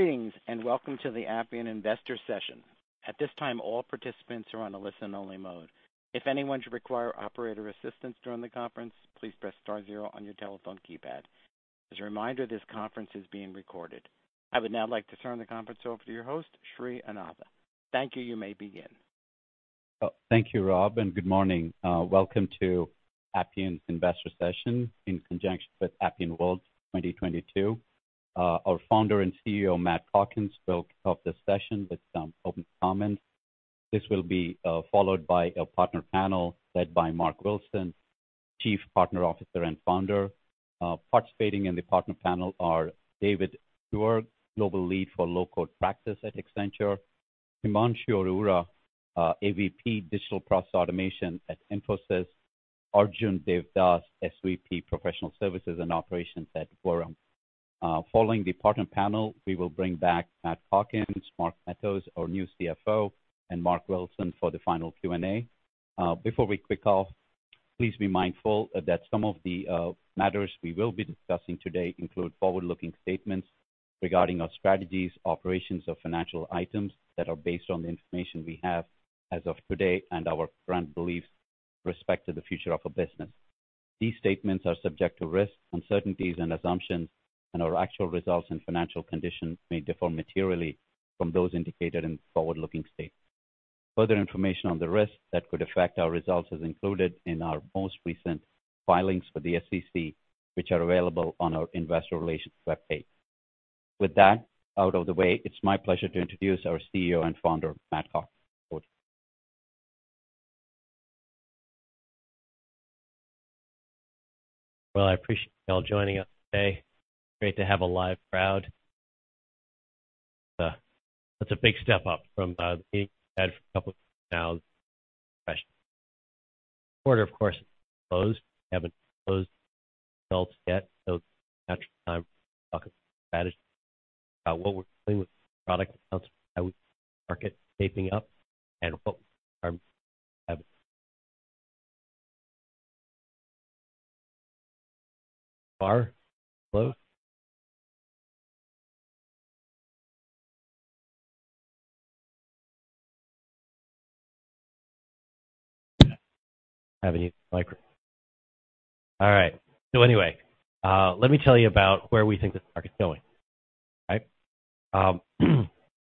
Greetings and welcome to the Appian Investor Session. At this time, all participants are in listen-only mode. If anyone should require operator assistance during the conference, please press star zero on your telephone keypad. As a reminder, this conference is being recorded. I would now like to turn the conference over to your host, Srinivas Anantha. Thank you. You may begin. Oh, thank you, Rob, and good morning. Welcome to Appian's Investor Session in conjunction with Appian World 2022. Our Founder and CEO, Matt Calkins, will kick off the session with some opening comments. This will be followed by a partner panel led by Marc Wilson, Chief Partner Officer and founder. Participating in the partner panel are David Sawyer, Global Lead for Low-Code Practice at Accenture; Himanshu Arora, AVP, Digital Process Automation at Infosys; Arjun Devadas, SVP, Professional Services and Operations at Vuram. Following the partner panel, we will bring back Matt Calkins, Mark Matheos, our new CFO, and Marc Wilson for the final Q&A. Before we kick off, please be mindful that some of the matters we will be discussing today include forward-looking statements regarding our strategies, operations, or financial items that are based on the information we have as of today and our current beliefs with respect to the future of our business. These statements are subject to risks, uncertainties and assumptions, and our actual results and financial conditions may differ materially from those indicated in the forward-looking statements. Further information on the risks that could affect our results is included in our most recent filings with the SEC, which are available on our Investor Relations webpage. With that out of the way, it's my pleasure to introduce our CEO and Founder, Matt Calkins. Over to you. Well, I appreciate you all joining us today. Great to have a live crowd. That's a big step up from the couple of virtual quarters. Of course we haven't closed the results yet, so it's a natural time to discuss strategy. What we're doing with product, how the market is shaping up and what we see far ahead. All right. So anyway, let me tell you about where we think this market's going. Right?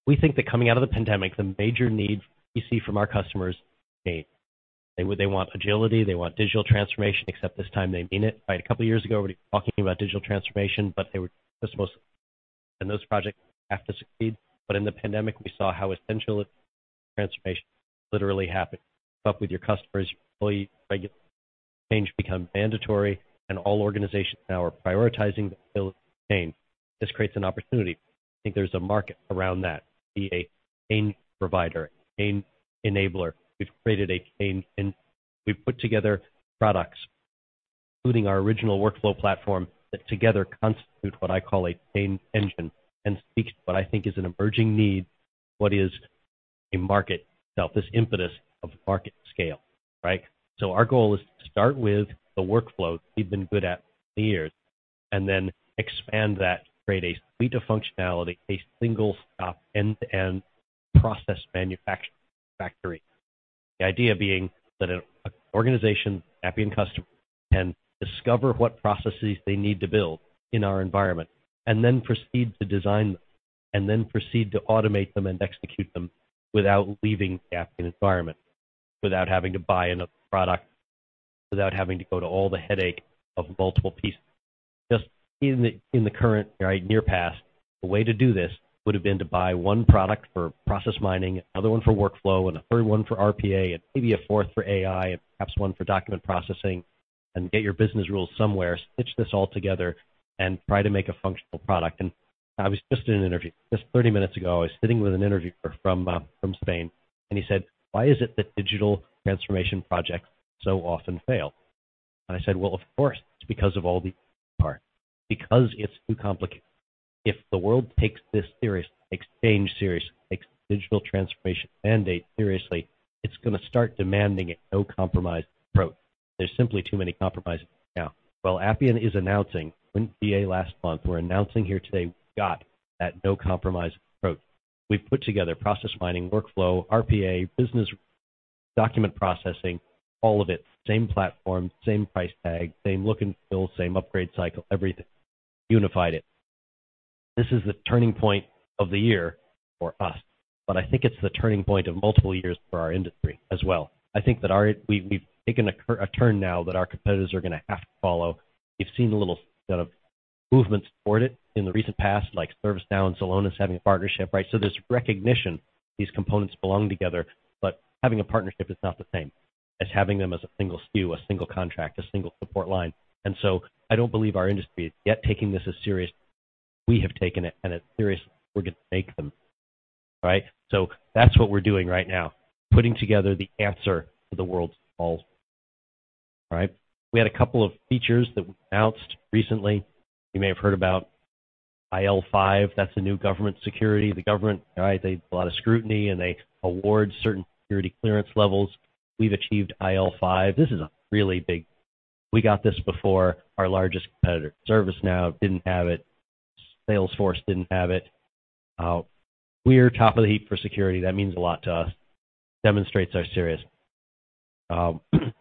We think that coming out of the pandemic, the major need we see from our customers, they want agility, they want digital transformation, except this time they mean it. Right? A couple of years ago, we were talking about digital transformation, but they were just supposed to and those projects have to succeed. In the pandemic, we saw how essential transformation literally happened. With your customers, regulatory changes become mandatory and all organizations now are prioritizing the ability to change. This creates an opportunity. I think there's a market around that. Be a change provider, change enabler. We've created a change, and we've put together products, including our original workflow platform, that together constitute what I call a change engine, and speaks what I think is an emerging need, what is a market itself, this impetus of market scale. Right? Our goal is to start with the workflow we've been good at for years and then expand that to create a suite of functionality, a single stop end-to-end process manufacturing factory. The idea being that an organization, Appian customer, can discover what processes they need to build in our environment and then proceed to design them, and then proceed to automate them and execute them without leaving the Appian environment, without having to buy another product, without having to go to all the headache of multiple pieces. Just in the current, right, near past, the way to do this would have been to buy one product for process mining, another one for workflow, and a third one for RPA, and maybe a fourth for AI, and perhaps one for document processing, and get your business rules somewhere, stitch this all together and try to make a functional product. I was just in an interview just 30 minutes ago. I was sitting with an interviewer from from Spain, and he said, "Why is it that digital transformation projects so often fail?" I said, "Well, of course, it's because of all the parts, because it's too complicated." If the world takes this seriously, takes change seriously, takes digital transformation mandate seriously, it's gonna start demanding a no-compromise approach. There's simply too many compromises now. Well, Appian is announcing, in GA last month, we're announcing here today, we've got that no-compromise approach. We've put together process mining, workflow, RPA, business document processing, all of it. Same platform, same price tag, same look and feel, same upgrade cycle, everything. Unified it. This is the turning point of the year for us, but I think it's the turning point of multiple years for our industry as well. I think that we've taken a turn now that our competitors are gonna have to follow. We've seen a little sort of movement toward it in the recent past, like ServiceNow and Celonis having a partnership, right? There's recognition these components belong together, but having a partnership is not the same as having them as a single SKU, a single contract, a single support line. I don't believe our industry is yet taking this as serious as we have taken it and as serious as we're gonna make them. Right? That's what we're doing right now, putting together the answer to the world's calls. All right. We had a couple of features that we announced recently. You may have heard about IL5. That's the new government security. The government, all right, they do a lot of scrutiny, and they award certain security clearance levels. We've achieved IL5. We got this before our largest competitor. ServiceNow didn't have it. Salesforce didn't have it. We're top of the heap for security. That means a lot to us. Demonstrates our seriousness.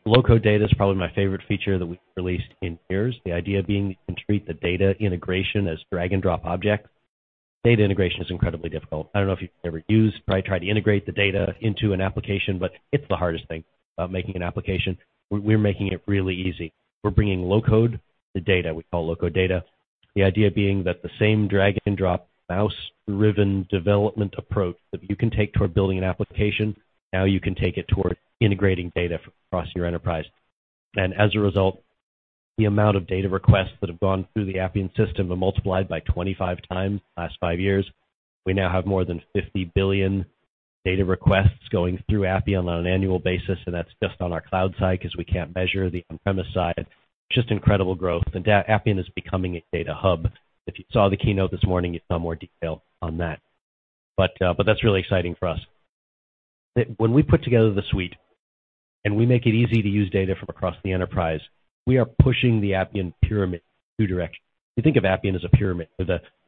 Low-code data is probably my favorite feature that we've released in years. The idea being you can treat the data integration as drag-and-drop objects. Data integration is incredibly difficult. I don't know if you've ever probably tried to integrate the data into an application, but it's the hardest thing about making an application. We're making it really easy. We're bringing low-code to data, we call low-code data. The idea being that the same drag-and-drop, mouse-driven development approach that you can take toward building an application, now you can take it toward integrating data across your enterprise. As a result, the amount of data requests that have gone through the Appian system have multiplied by 25x the last five years. We now have more than 50 billion data requests going through Appian on an annual basis, and that's just on our cloud side 'cause we can't measure the on-premise side. Just incredible growth. Appian is becoming a data hub. If you saw the keynote this morning, you saw more detail on that. But that's really exciting for us. When we put together the suite and we make it easy to use data from across the enterprise, we are pushing the Appian pyramid in two directions. If you think of Appian as a pyramid,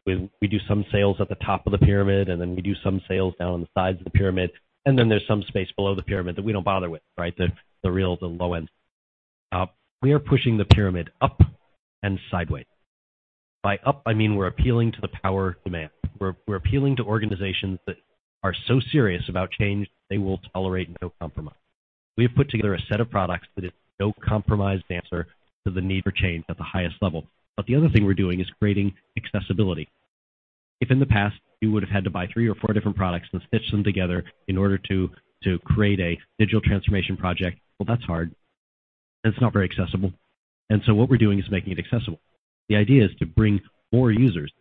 we do some sales at the top of the pyramid, and then we do some sales down the sides of the pyramid. Then there's some space below the pyramid that we don't bother with, right? The real low end. We are pushing the pyramid up and sideways. By up, I mean, we're appealing to the power demand. We're appealing to organizations that are so serious about change, they will tolerate no compromise. We have put together a set of products that is no-compromise answer to the need for change at the highest level. The other thing we're doing is creating accessibility. If in the past, you would have had to buy three or four different products and stitch them together in order to create a digital transformation project, well, that's hard, and it's not very accessible. What we're doing is making it accessible. The idea is to bring more users,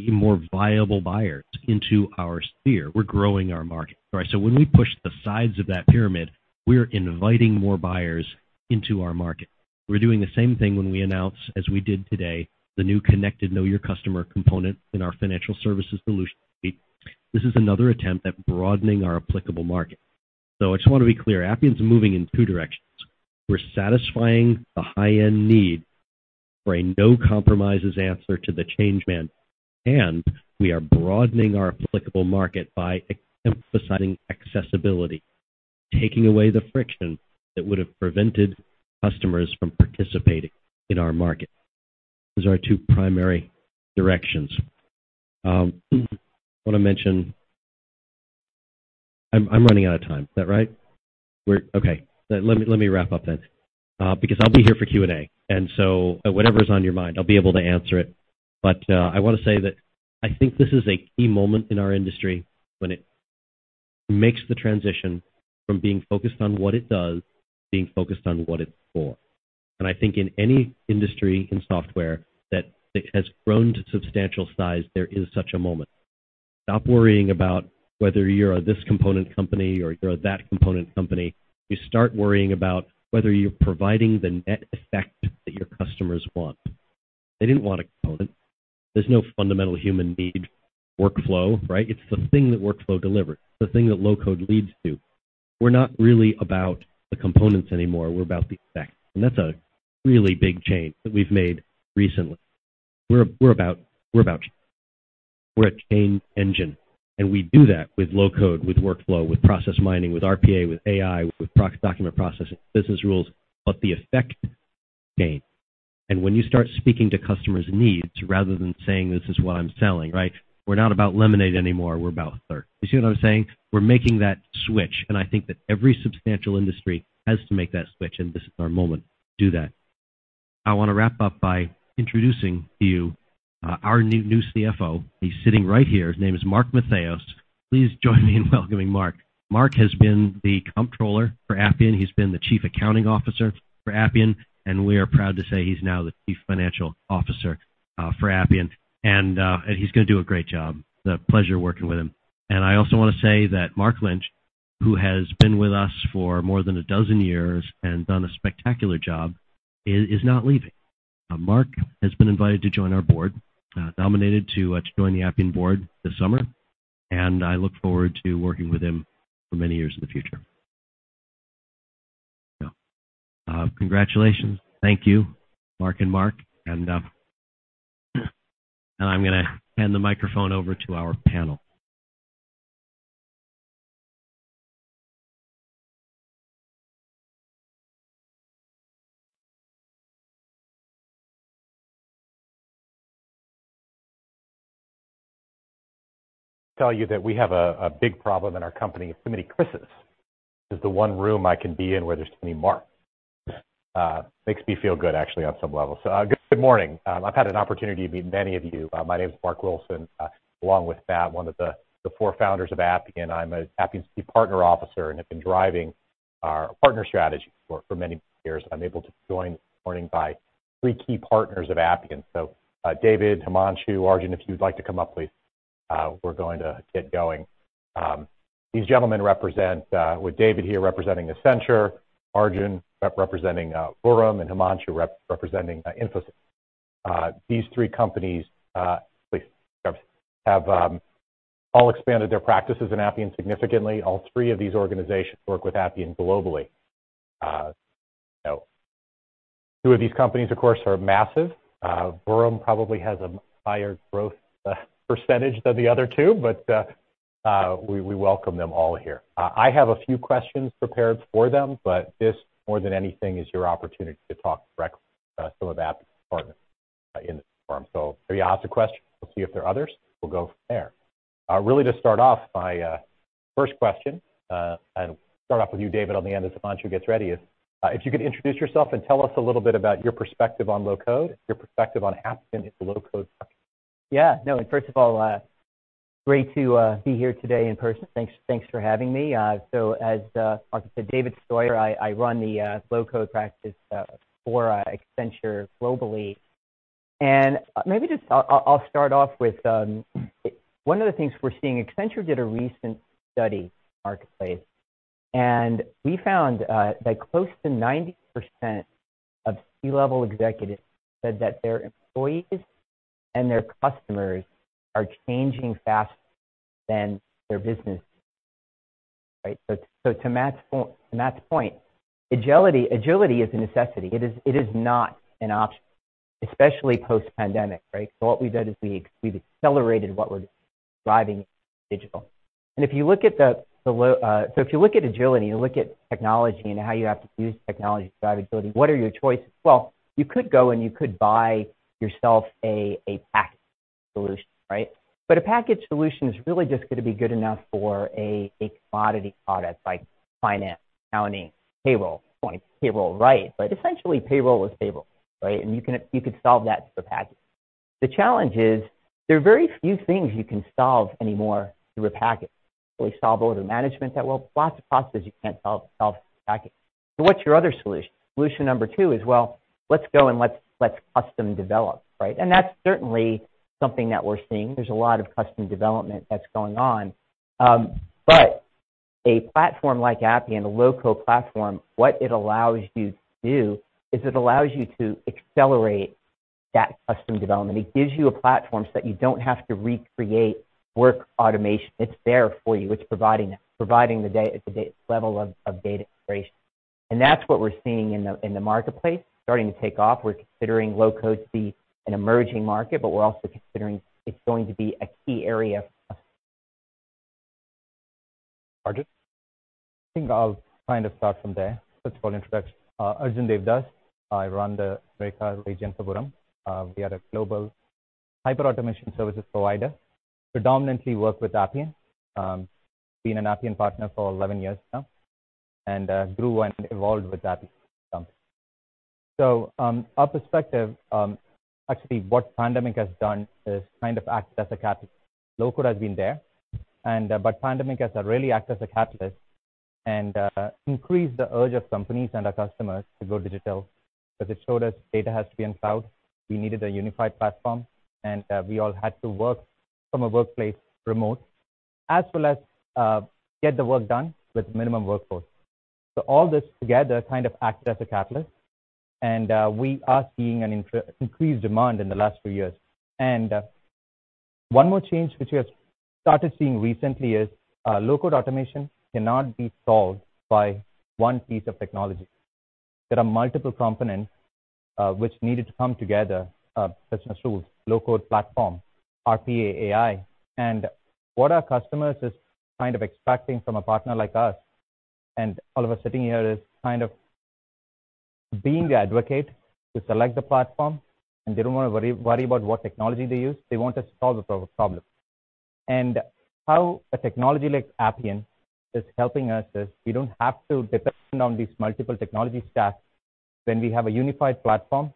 a more viable buyers into our sphere. We're growing our market. All right, when we push the sides of that pyramid, we're inviting more buyers into our market. We're doing the same thing when we announce, as we did today, the new connected Know Your Customer component in our financial services solution suite. This is another attempt at broadening our applicable market. I just want to be clear, Appian is moving in two directions. We're satisfying the high-end need for a no-compromises answer to the change demand, and we are broadening our applicable market by emphasizing accessibility, taking away the friction that would have prevented customers from participating in our market. Those are our two primary directions. I'm running out of time. Is that right? Okay. Let me wrap up then. Because I'll be here for Q&A, and so whatever's on your mind, I'll be able to answer it. I wanna say that I think this is a key moment in our industry when it makes the transition from being focused on what it does, being focused on what it's for. I think in any industry in software that has grown to substantial size, there is such a moment. Stop worrying about whether you're this component company or you're that component company. You start worrying about whether you're providing the net effect that your customers want. They didn't want a component. There's no fundamental human need workflow, right? It's the thing that workflow delivers, the thing that low-code leads to. We're not really about the components anymore, we're about the effect. That's a really big change that we've made recently. We're about change. We're a change engine, and we do that with low-code, with workflow, with process mining, with RPA, with AI, with document processing, business rules, but the effect change. When you start speaking to customers' needs rather than saying, "This is what I'm selling," right? We're not about lemonade anymore, we're about thirst. You see what I'm saying? We're making that switch, and I think that every substantial industry has to make that switch, and this is our moment to do that. I want to wrap up by introducing to you our new CFO. He's sitting right here. His name is Mark Matheos. Please join me in welcoming Mark. Mark has been the comptroller for Appian. He's been the Chief Accounting Officer for Appian, and we are proud to say he's now the Chief Financial Officer for Appian, and he's gonna do a great job. It's a pleasure working with him. I also wanna say that Mark Lynch, who has been with us for more than a dozen years and done a spectacular job, is not leaving. Mark has been invited to join our Board, nominated to join the Appian Board this summer, and I look forward to working with him for many years in the future. Congratulations. Thank you, Mark and Mark. I'm gonna hand the microphone over to our panel. — tell you that we have a big problem in our company, it's too many Chrises. This is the one room I can be in where there's too many Marks. Makes me feel good actually on some level. Good morning. I've had an opportunity to meet many of you. My name is Marc Wilson. Along with Matt, one of the four founders of Appian. I'm Appian's Partner Officer and have been driving our partner strategy for many years. I'm able to be joined this morning by three key partners of Appian. David, Himanshu, Arjun, if you'd like to come up, please, we're going to get going. These gentlemen represent, with David here representing Accenture, Arjun representing Vuram, and Himanshu representing Infosys. These three companies have all expanded their practices in Appian significantly. All three of these organizations work with Appian globally. Two of these companies, of course, are massive. Vuram probably has a higher growth percentage than the other two, but we welcome them all here. I have a few questions prepared for them, but this, more than anything, is your opportunity to talk directly to some of Appian partners in this forum. Maybe ask a question. We'll see if there are others. We'll go from there. Really, to start off, my first question, start off with you, David, on the end as Himanshu gets ready. If you could introduce yourself and tell us a little bit about your perspective on low-code, your perspective on Appian, its low-code structure. Yeah. No, first of all, great to be here today in person. Thanks for having me. As Marc said, David Sawyer, I run the low-code practice for Accenture globally. Maybe just I'll start off with one of the things we're seeing. Accenture did a recent study in the marketplace, and we found that close to 90% of C-level executives said that their employees and their customers are changing faster than their business. Right? To Matt's point, agility is a necessity. It is not an option, especially post-pandemic, right? What we did is we accelerated what we're driving digital. If you look at the low... If you look at agility and you look at technology and how you have to use technology to drive agility, what are your choices? Well, you could go, and you could buy yourself a package solution, right? A package solution is really just gonna be good enough for a commodity product like finance, accounting, payroll. You want payroll, right? But essentially, payroll is payroll, right? You can, you could solve that with a package. The challenge is there are very few things you can solve anymore through a package. Can we solve order management that well? Lots of processes you can't solve with a package. What's your other solution? Solution number two is, well, let's go and let's custom develop, right? That's certainly something that we're seeing. There's a lot of custom development that's going on. A platform like Appian, a low-code platform, what it allows you to do is it allows you to accelerate that custom development. It gives you a platform so that you don't have to recreate work automation. It's there for you. It's providing it, providing the data level of data integration. That's what we're seeing in the marketplace starting to take off. We're considering low-code to be an emerging market, but we're also considering it's going to be a key area. Arjun? I think I'll kind of start from there. First of all, introduction. Arjun Devdas. I run the Americas region for Vuram. We are a global hyperautomation services provider, predominantly work with Appian. Been an Appian partner for 11 years now and grew and evolved with Appian. So, our perspective, actually what pandemic has done is kind of acted as a catalyst. Low-code has been there and but pandemic has really acted as a catalyst and increased the urge of companies and our customers to go digital. 'Cause it showed us data has to be in cloud. We needed a unified platform, and we all had to work from a workplace remote as well as get the work done with minimum workforce. All this together kind of acted as a catalyst, and we are seeing an increased demand in the last few years. One more change which we have started seeing recently is low-code automation cannot be solved by one piece of technology. There are multiple components which needed to come together, business tools, low-code platform, RPA, AI. What our customers is kind of expecting from a partner like us and all of us sitting here is kind of being the advocate to select the platform, and they don't wanna worry about what technology to use. They want us to solve the problem. How a technology like Appian is helping us is we don't have to depend on these multiple technology stacks when we have a unified platform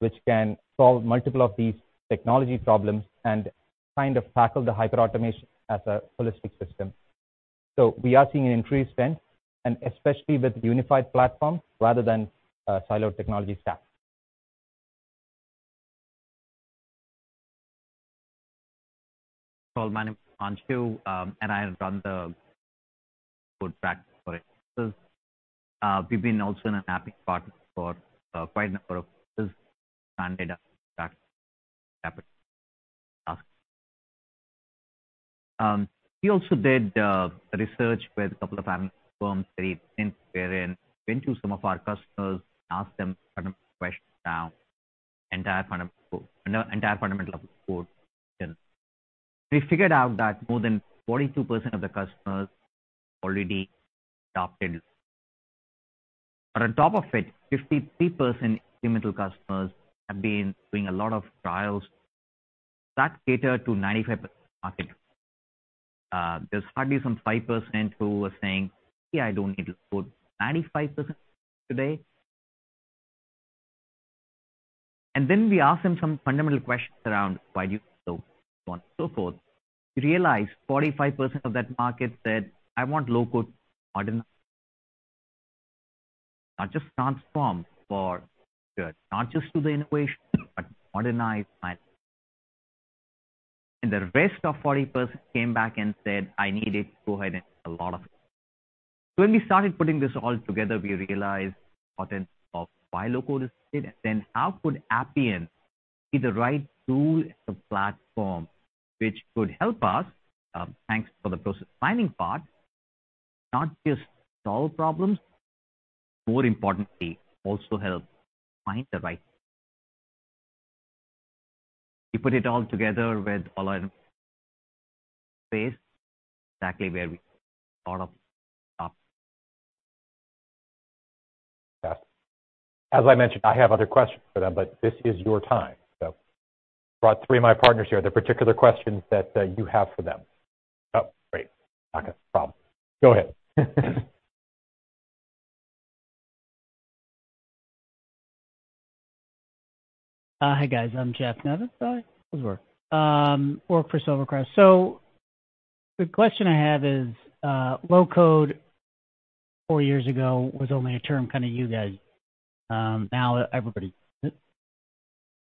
which can solve multiple of these technology problems and kind of tackle the hyperautomation as a holistic system. We are seeing an increased spend, and especially with unified platform rather than siloed technology stack. My name is Himanshu Arora, and I run the low-code practice for Infosys. We've been also an Appian partner for quite a number of years. Standard practice. We also did research with a couple of firms, went to some of our customers and asked them fundamental questions, entire fundamental of code. We figured out that more than 42% of the customers already adopted. But on top of it, 53% incremental customers have been doing a lot of trials that cater to 95% market. There's hardly some 5% who are saying, "Yeah, I don't need it." 95% today. Then we ask them some fundamental questions around why do you... so on and so forth. We realized 45% of that market said, "I want low-code modern. Not just transform for good, not just to the innovation, but modernize my. And the rest of 40% came back and said, "I need it. Go ahead and a lot of it." When we started putting this all together, we realized potential of why low-code is needed. How could Appian be the right tool as a platform which could help us, thanks to the process mining part, not just solve problems, more importantly, also help find the right. We put it all together with all our space, exactly where we thought of top. Yeah. As I mentioned, I have other questions for them, but this is your time. I brought three of my partners here. The particular questions that you have for them. Oh, great. Okay, no problem. Go ahead. Hi guys, I'm Jeff Nevins. I work for Silvercrest. The question I have is, low-code four years ago was only a term kind of you guys. Now everybody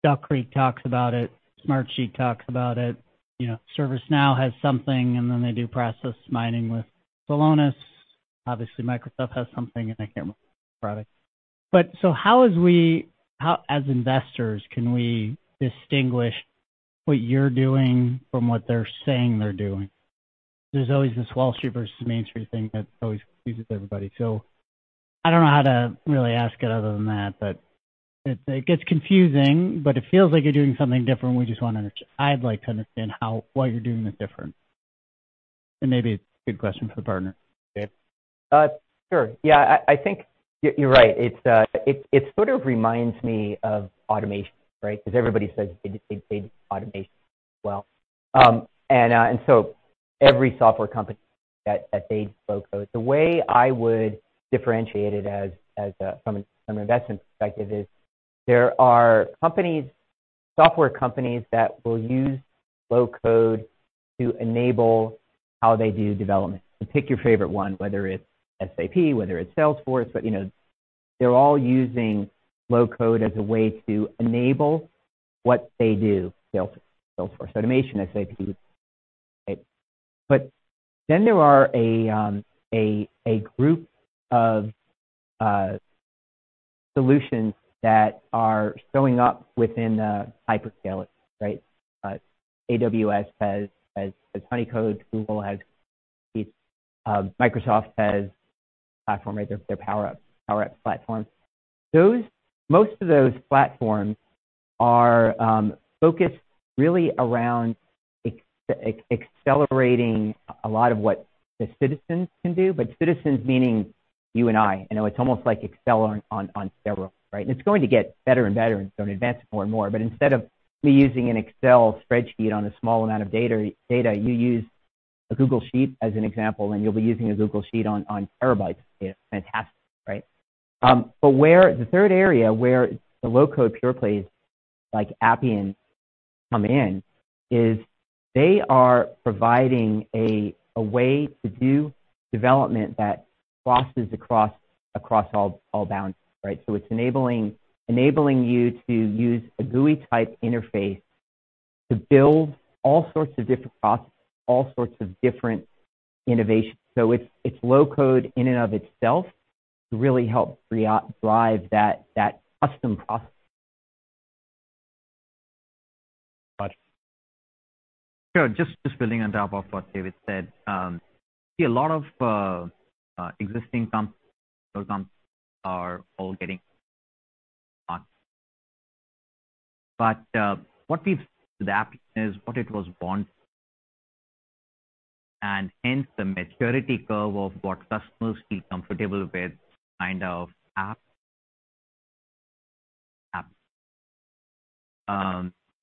Duck Creek talks about it. Smartsheet talks about it. You know, ServiceNow has something, and then they do process mining with Celonis. Obviously, Microsoft has something, and I can't remember the product. But how as investors can we distinguish what you're doing from what they're saying they're doing? There's always this Wall Street versus Main Street thing that always confuses everybody. I don't know how to really ask it other than that, but it gets confusing, but it feels like you're doing something different. I'd like to understand how, why you're doing this different. Maybe it's a good question for the partner. Okay. Sure. Yeah, I think you're right. It sort of reminds me of automation, right? 'Cause everybody says they did automation as well. Every software company that they spoke of. The way I would differentiate it from an investment perspective is there are companies, software companies that will use low-code to enable how they do development. Pick your favorite one, whether it's SAP, whether it's Salesforce. You know, they're all using low-code as a way to enable what they do. Salesforce automation, SAP. There are a group of solutions that are showing up within the hyperscalers, right? AWS has Honeycode, Google has Sheets. Microsoft has Power Platform, right? Their Power Platform, Power Apps platform. Those. Most of those platforms are focused really around accelerating a lot of what the citizens can do. Citizens meaning you and I. You know, it's almost like Excel on steroids, right? It's going to get better and better, and so it advances more and more. Instead of me using an Excel spreadsheet on a small amount of data, you use a Google Sheets as an example, and you'll be using a Google Sheets on terabytes of data. Fantastic, right? Where the third area where the low-code pure plays like Appian come in is they are providing a way to do development that crosses across all boundaries, right? It's enabling you to use a GUI-type interface to build all sorts of different processes, all sorts of different innovations. It's low-code in and of itself to really help drive that custom process. [Raj]? Sure. Just building on top of what David said. A lot of existing comps, those comps are all getting on. The Appian is what it was born to. Hence the maturity curve of what customers feel comfortable with kind of app.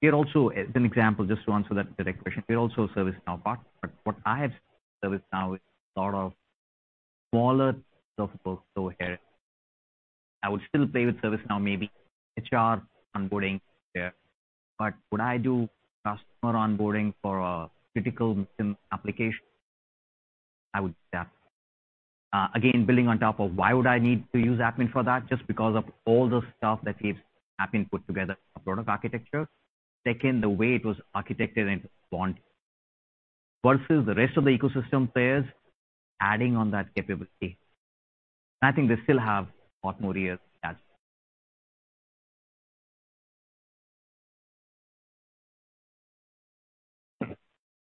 It also, as an example, just to answer that direct question, it also ServiceNow part. What ServiceNow is sort of smaller scope of low-code. I would still play with ServiceNow, maybe HR onboarding there. Would I do customer onboarding for a critical mission application? I would say Appian. Again, building on top of why would I need to use Appian for that? Just because of all the stuff that Appian put together as a product architecture. Second, the way it was architectured and born versus the rest of the ecosystem players adding on that capability. I think they still have a lot more years to add.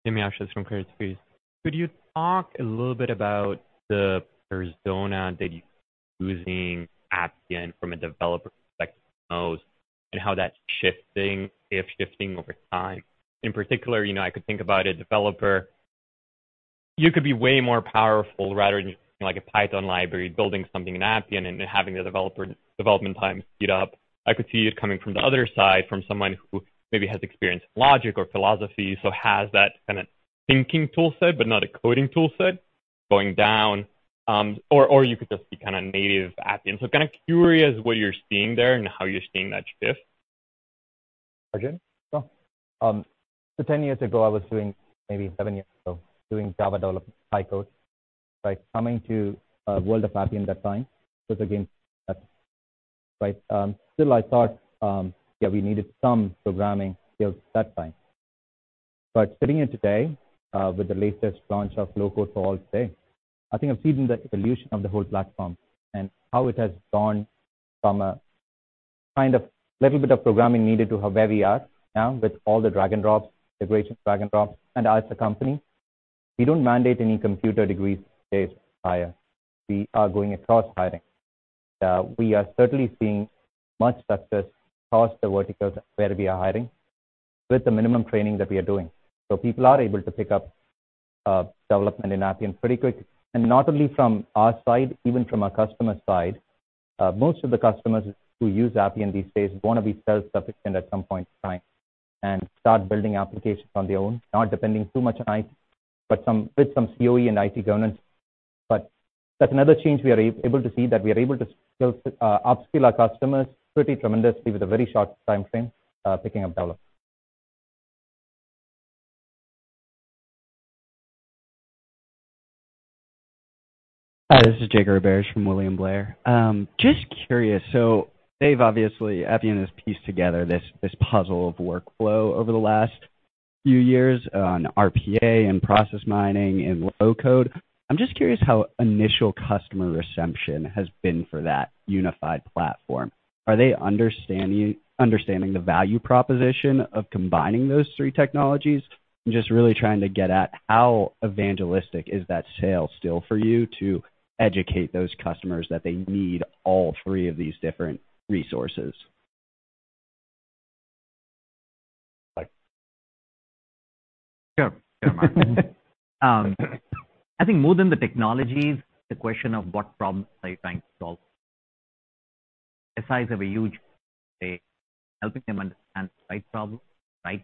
[David Ashton from Credit Suisse]. Could you talk a little bit about the persona that you're using Appian from a developer perspective the most, and how that's shifting, if shifting over time? In particular, you know, I could think about a developer. You could be way more powerful rather than like a Python library building something in Appian and having the development time speed up. I could see it coming from the other side, from someone who maybe has experience in logic or philosophy, so has that kind of thinking tool set but not a coding tool set going down. Or you could just be kind of native Appian. Kind of curious what you're seeing there and how you're seeing that shift. Arjun? Sure. Ten years ago, I was doing, maybe seven years ago, doing Java development, high code, right? Coming to world of Appian that time, it's again. Right. I thought we needed some programming skills at that time. Sitting here today, with the latest launch of Low-Code for All today, I think I've seen the evolution of the whole platform and how it has gone from a kind of little bit of programming needed to where we are now with all the drag and drops, integration drag and drops. As a company, we don't mandate any computer degrees these days to hire. We are going across hiring. We are certainly seeing much success across the verticals where we are hiring with the minimum training that we are doing. People are able to pick up development in Appian pretty quick. Not only from our side, even from our customer side, most of the customers who use Appian these days wanna be self-sufficient at some point in time and start building applications on their own, not depending too much on IT, but some, with some COE and IT governance. That's another change we are able to see, that we are able to upskill our customers pretty tremendously with a very short timeframe, picking up development. Hi, this is Jake Roberge from William Blair. Just curious, Dave, obviously, Appian has pieced together this puzzle of workflow over the last few years on RPA and process mining and low-code. I'm just curious how initial customer reception has been for that unified platform. Are they understanding the value proposition of combining those three technologies? I'm just really trying to get at how evangelistic is that sale still for you to educate those customers that they need all three of these different resources. [Arjun]. Sure, Marc. I think more than the technologies, the question of what problems are you trying to solve. Helping them understand the right problem, the right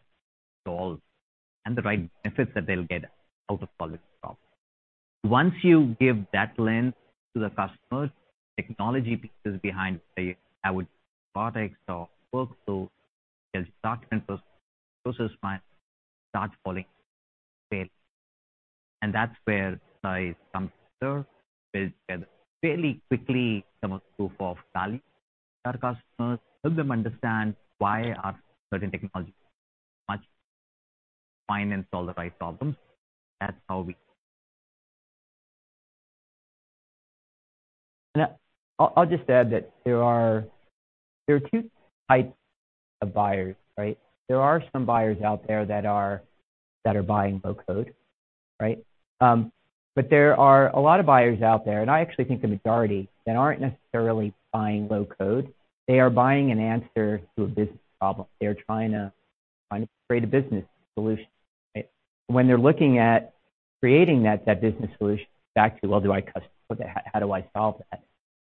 solve, and the right benefits that they'll get out of solving the problem. Once you give that lens to the customer, technology pieces behind the products or workflow can start, and process mining starts falling in place. That's where I come to build together fairly quickly some of the proof of value for our customers, help them understand why certain technologies fit in and solve the right problems. That's how we. I'll just add that there are two types of buyers, right? There are some buyers out there that are buying low-code, right? But there are a lot of buyers out there, and I actually think the majority that aren't necessarily buying low-code. They are buying an answer to a business problem. They're trying to create a business solution, right? When they're looking at creating that business solution back to, well, do I custom code that? How do I solve that?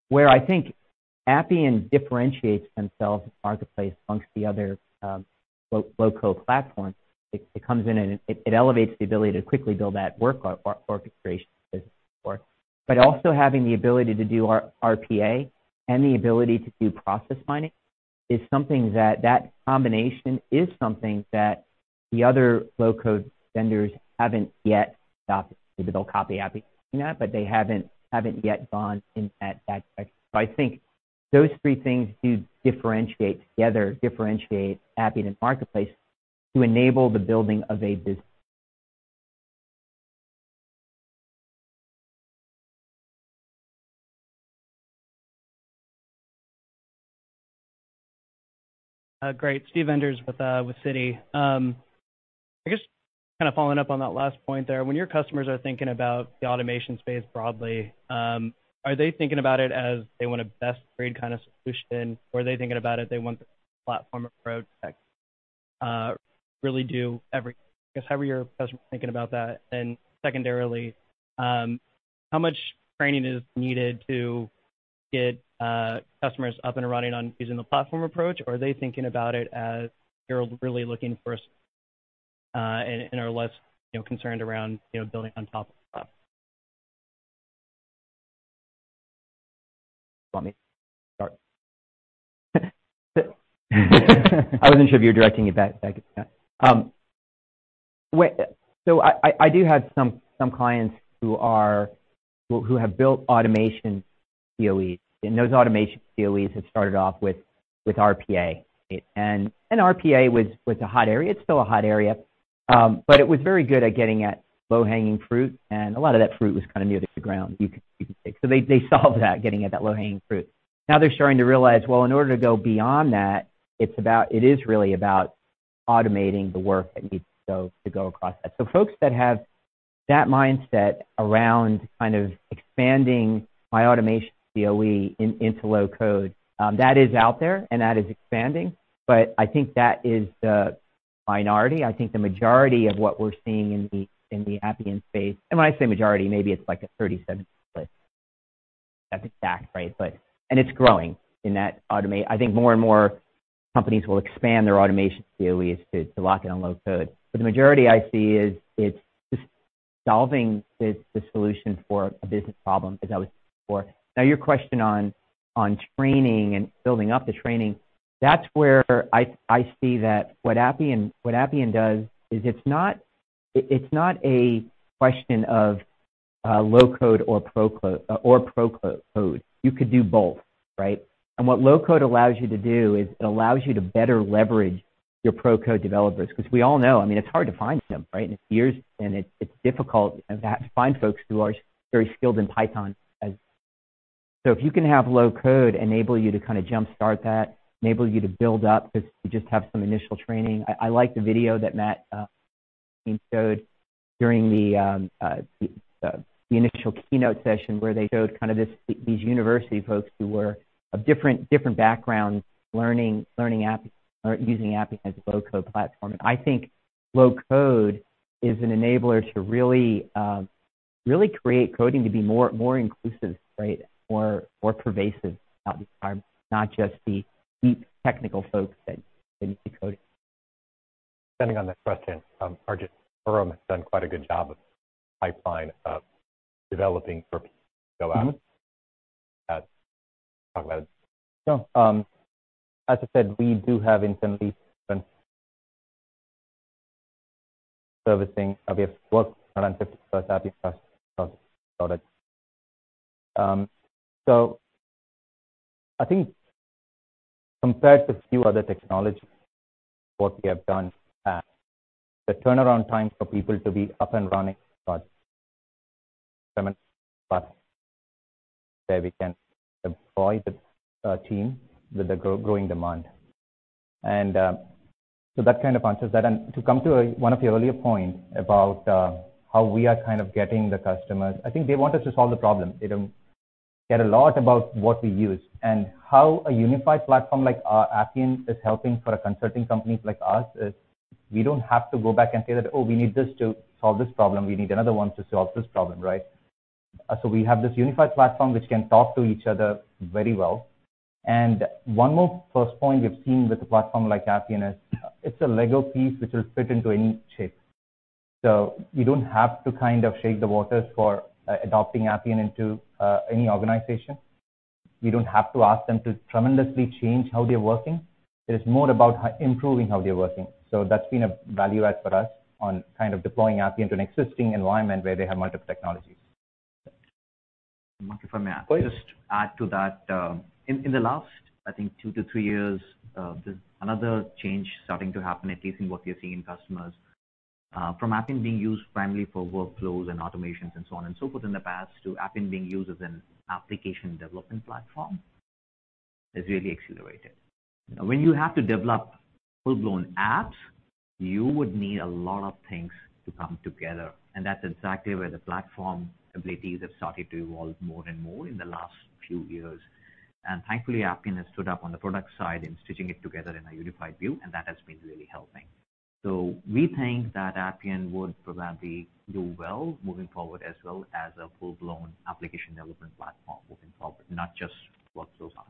Where I think Appian differentiates themselves in the marketplace amongst the other low-code platforms, it comes in and it elevates the ability to quickly build that work or orchestration business support. Also having the ability to do RPA and the ability to do process mining is something that combination is something that the other low-code vendors haven't yet adopted. Maybe they'll copy Appian doing that, but they haven't yet gone in that direction. I think those three things do differentiate Appian in the marketplace to enable the building of a business. Great. Steve Enders with Citi. I guess kind of following up on that last point there. When your customers are thinking about the automation space broadly, are they thinking about it as they want a best-of-breed kind of solution? Or are they thinking about it as they want the platform approach that really does everything? Just however your customers are thinking about that. Secondarily, how much training is needed to get customers up and running on using the platform approach? Or are they thinking about it as they're really looking for a solution and are less, you know, concerned around, you know, building on top of the platform? Let me start. I wasn't sure if you were directing it back at me. I do have some clients who have built automation COEs, and those automation COEs have started off with RPA. RPA was a hot area. It's still a hot area. It was very good at getting at low-hanging fruit, and a lot of that fruit was kind of near the ground, you could say. They solved that getting at that low-hanging fruit. Now they're starting to realize, well, in order to go beyond that, it's really about automating the work that needs to go across that. Folks that have that mindset around kind of expanding my automation COE into low-code, that is out there, and that is expanding, but I think that is the minority. I think the majority of what we're seeing in the Appian space, and when I say majority, maybe it's like a 30/70 split. That's exact, right? It's growing in that. I think more and more companies will expand their automation COEs to lock in on low-code. The majority I see is it's just solving the solution for a business problem, as I was before. Now, your question on training and building up the training, that's where I see that what Appian does is it's not a question of low-code or pro-code. You could do both, right? What low-code allows you to do is it allows you to better leverage your pro-code developers. Because we all know, I mean, it's hard to find them, right? It takes years, and it's difficult to find folks who are very skilled in Python as. So if you can have low-code enable you to kind of jumpstart that, enable you to build up, just have some initial training. I like the video that Matt showed during the initial keynote session where they showed kind of this, these university folks who were of different backgrounds learning Appian or using Appian's low-code platform. I think low-code is an enabler to really create coding to be more inclusive, right? More pervasive, not just the technical folks that do coding. Depending on the question, Arjun, Vuram has done quite a good job of pipeline developing for— Mm-hmm. Talk about it. No. As I said, we do have internal servicing. We have worked around 50+ Appian products. I think compared to few other technologies, what we have done, the turnaround time for people to be up and running in seven, but there we can employ the team with the growing demand. That kind of answers that. To come to one of your earlier points about how we are kind of getting the customers, I think they want us to solve the problem. They don't care a lot about what we use. How a unified platform like Appian is helping for a consulting company like us is we don't have to go back and say that, "Oh, we need this to solve this problem. We need another one to solve this problem." Right? We have this unified platform which can talk to each other very well. One more plus point we've seen with a platform like Appian is it's a Lego piece which will fit into any shape. You don't have to kind of shake the waters for adopting Appian into any organization. We don't have to ask them to tremendously change how they're working. It is more about improving how they're working. That's been a value add for us on kind of deploying Appian to an existing environment where they have multiple technologies. If I may just add to that. In the last, I think two to three years, there's another change starting to happen, at least in what we are seeing in customers, from Appian being used primarily for workflows and automations and so on and so forth in the past to Appian being used as an application development platform. It's really accelerated. When you have to develop full-blown apps, you would need a lot of things to come together, and that's exactly where the platform abilities have started to evolve more and more in the last few years. Thankfully, Appian has stood up on the product side in stitching it together in a unified view, and that has been really helping. We think that Appian would probably do well moving forward as well as a full-blown application development platform moving forward, not just workflows and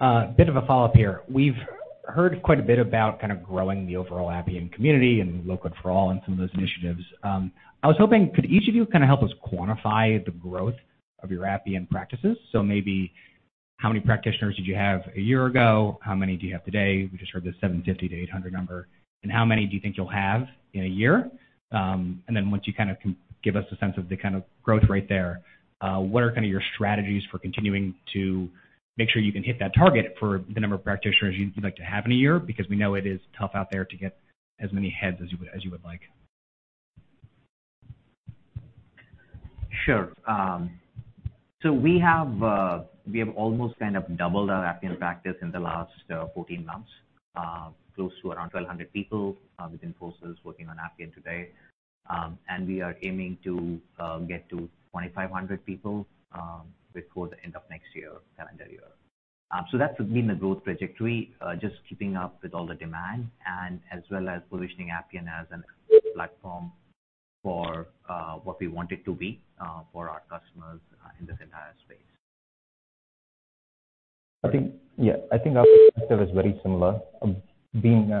automations. Bit of a follow-up here. We've heard quite a bit about kind of growing the overall Appian community and Low-Code for All and some of those initiatives. I was hoping could each of you kind of help us quantify the growth of your Appian practices? So maybe how many practitioners did you have a year ago? How many do you have today? We just heard the 750-800 number. How many do you think you'll have in a year? Once you kind of give us a sense of the kind of growth rate there, what are kind of your strategies for continuing to make sure you can hit that target for the number of practitioners you'd like to have in a year? Because we know it is tough out there to get as many heads as you would like. Sure. We have almost kind of doubled our Appian practice in the last 14 months, close to around 1,200 people within Infosys working on Appian today. We are aiming to get to 2,500 people before the end of next year, calendar year. That would be the growth trajectory, just keeping up with all the demand and as well as positioning Appian as a platform for what we want it to be for our customers in this entire space. I think ours is very similar. Being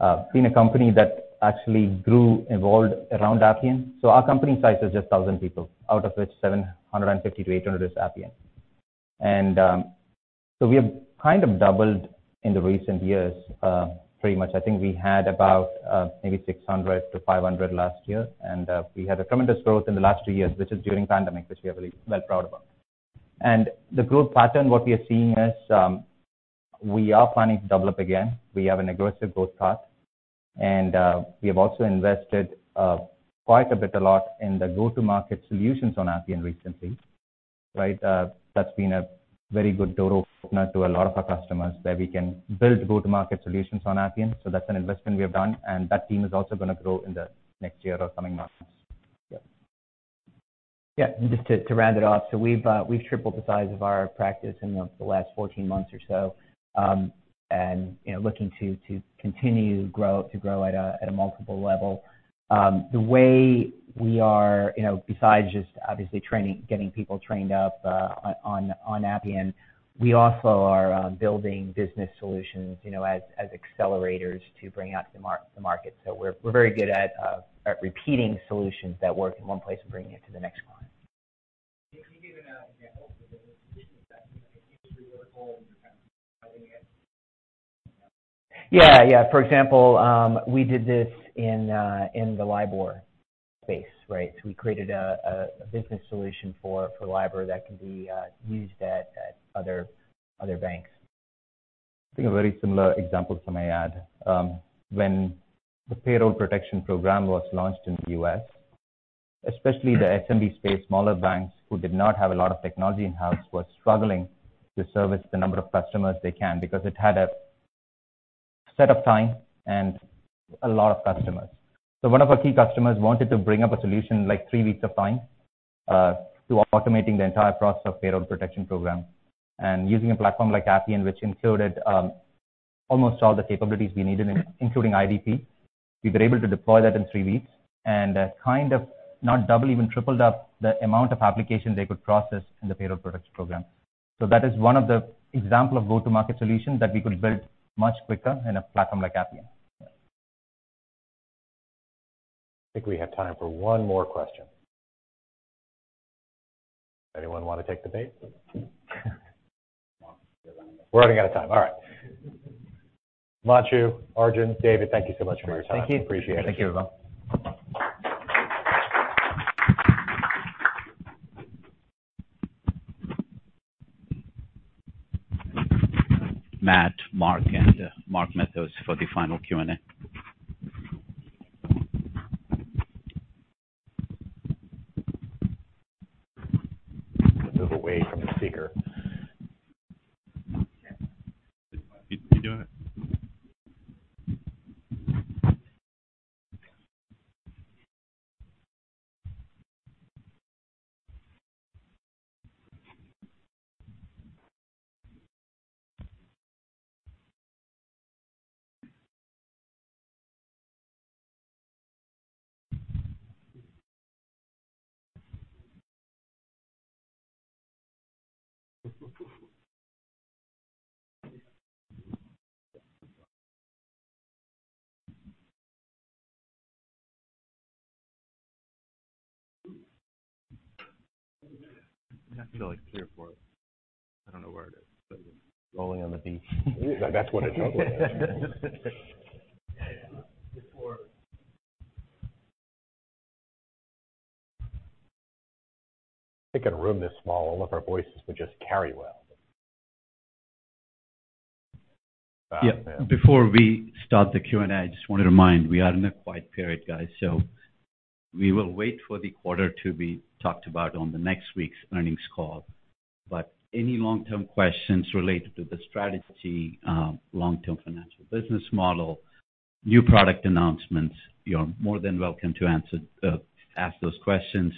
a company that actually grew, evolved around Appian, our company size is just 1,000 people, out of which 750-800 is Appian. So we have kind of doubled in the recent years, pretty much. I think we had about, maybe 600-500 last year. We had a tremendous growth in the last two years, which is during pandemic, which we are really well proud about. The growth pattern, what we are seeing is, we are planning to double up again. We have an aggressive growth path. We have also invested, quite a bit, a lot in the go-to-market solutions on Appian recently, right? That's been a very good door opener to a lot of our customers, where we can build go-to-market solutions on Appian. That's an investment we have done, and that team is also gonna grow in the next year or coming months. Yeah. Yeah. Just to round it off. We've tripled the size of our practice in the last 14 months or so. You know, looking to grow at a multiple level. The way we are. You know, besides just obviously training, getting people trained up on Appian, we also are building business solutions, you know, as accelerators to bring out to the market. We're very good at repeating solutions that work in one place and bringing it to the next client. Yeah, yeah. For example, we did this in the LIBOR space, right? We created a business solution for LIBOR that can be used at other banks. I think a very similar example to my add. When the Paycheck Protection Program was launched in the U.S., especially the SMB space, smaller banks who did not have a lot of technology in-house were struggling to service the number of customers they can because it had a set of time and a lot of customers. One of our key customers wanted to bring up a solution in, like, three weeks of time, through automating the entire process of Paycheck Protection Program. Using a platform like Appian, which included almost all the capabilities we needed, including IDP, we were able to deploy that in three weeks, and kind of not double even tripled up the amount of applications they could process in the Paycheck Protection Program. That is one of the example of go-to-market solutions that we could build much quicker in a platform like Appian. I think we have time for one more question. Anyone want to take the bait? We're running out of time. All right. Manshu, Arjun, David, thank you so much for your time. Thank you. Appreciate it. Thank you, everyone. Matt, Marc, and Mark Matheos for the final Q&A. Yeah. Before we start the Q&A, I just want to remind, we are in a quiet period, guys, so we will wait for the quarter to be talked about on the next week's earnings call. Any long-term questions related to the strategy, long-term financial business model, new product announcements, you're more than welcome to ask those questions.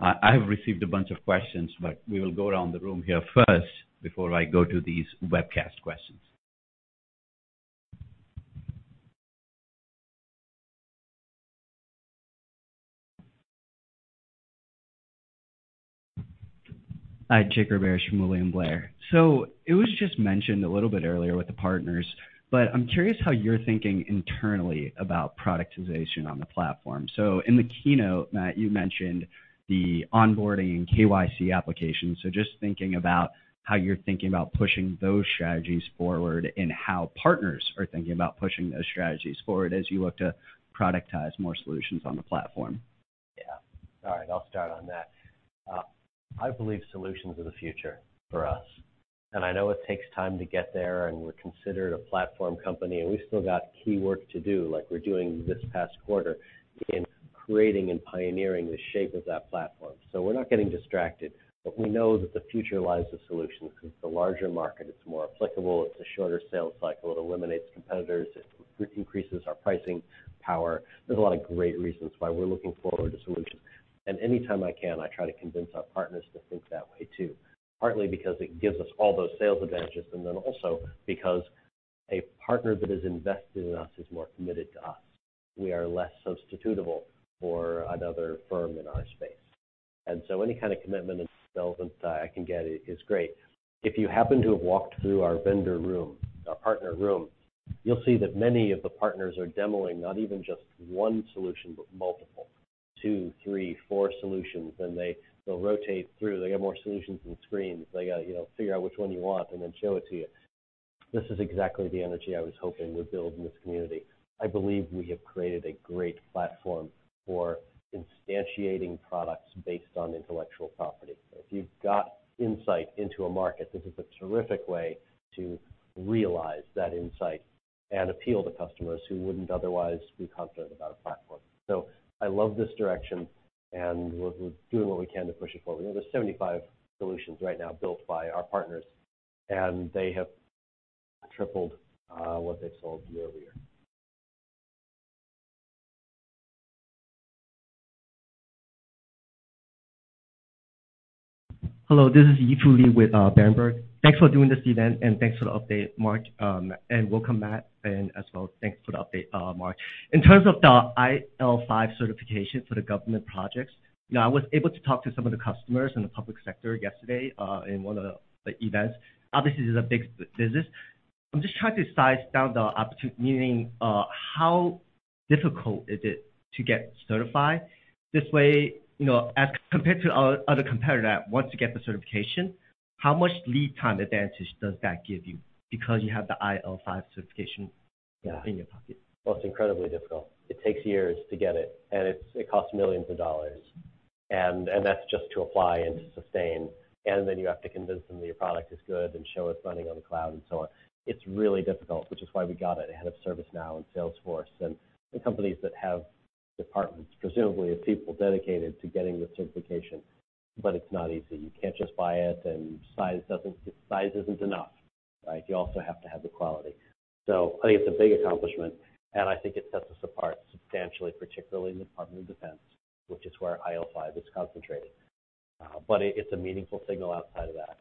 I have received a bunch of questions, but we will go around the room here first before I go to these webcast questions. Hi, Jake Roberge from William Blair. It was just mentioned a little bit earlier with the partners, but I'm curious how you're thinking internally about productization on the platform. In the keynote, Matt, you mentioned the onboarding and KYC application. Just thinking about how you're thinking about pushing those strategies forward and how partners are thinking about pushing those strategies forward as you look to productize more solutions on the platform? Yeah. All right. I'll start on that. I believe solutions are the future for us, and I know it takes time to get there, and we're considered a platform company, and we've still got key work to do, like we're doing this past quarter in creating and pioneering the shape of that platform. We're not getting distracted, but we know that the future lies with solutions. It's a larger market, it's more applicable, it's a shorter sales cycle, it eliminates competitors, it increases our pricing power. There's a lot of great reasons why we're looking forward to solutions. Anytime I can, I try to convince our partners to think that way too. Partly because it gives us all those sales advantages, and then also because a partner that is invested in us is more committed to us. We are less substitutable for another firm in our space. Any kind of commitment and development I can get is great. If you happen to have walked through our vendor room, our partner room, you'll see that many of the partners are demoing not even just one solution, but multiple, two, three, four solutions, and they'll rotate through. They got more solutions than screens. They got to, you know, figure out which one you want and then show it to you. This is exactly the energy I was hoping would build in this community. I believe we have created a great platform for instantiating products based on intellectual property. If you've got insight into a market, this is a terrific way to realize that insight and appeal to customers who wouldn't otherwise be confident about our platform. I love this direction, and we're doing what we can to push it forward. You know, there's 75 solutions right now built by our partners, and they have tripled what they've sold year-over-year. Hello. This is Yifei Li with Berenberg. Thanks for doing this event, and thanks for the update, Marc. Welcome, Matt, and as well, thanks for the update, Marc. In terms of the IL5 certification for the government projects, you know, I was able to talk to some of the customers in the public sector yesterday in one of the events. Obviously, this is a big business. I'm just trying to size down the opportunity, meaning, how difficult is it to get certified? This way, you know, as compared to our other competitor once you get the certification, how much lead time advantage does that give you because you have the IL5 certification- Yeah. In your pocket? Well, it's incredibly difficult. It takes years to get it, and it costs millions of dollars. That's just to apply and to sustain. Then you have to convince them that your product is good and show it's running on the cloud and so on. It's really difficult, which is why we got it ahead of ServiceNow and Salesforce and companies that have departments, presumably, of people dedicated to getting the certification. It's not easy. You can't just buy it, and size isn't enough, right? You also have to have the quality. I think it's a big accomplishment, and I think it sets us apart substantially, particularly in the Department of Defense, which is where IL5 is concentrated. It's a meaningful signal outside of that.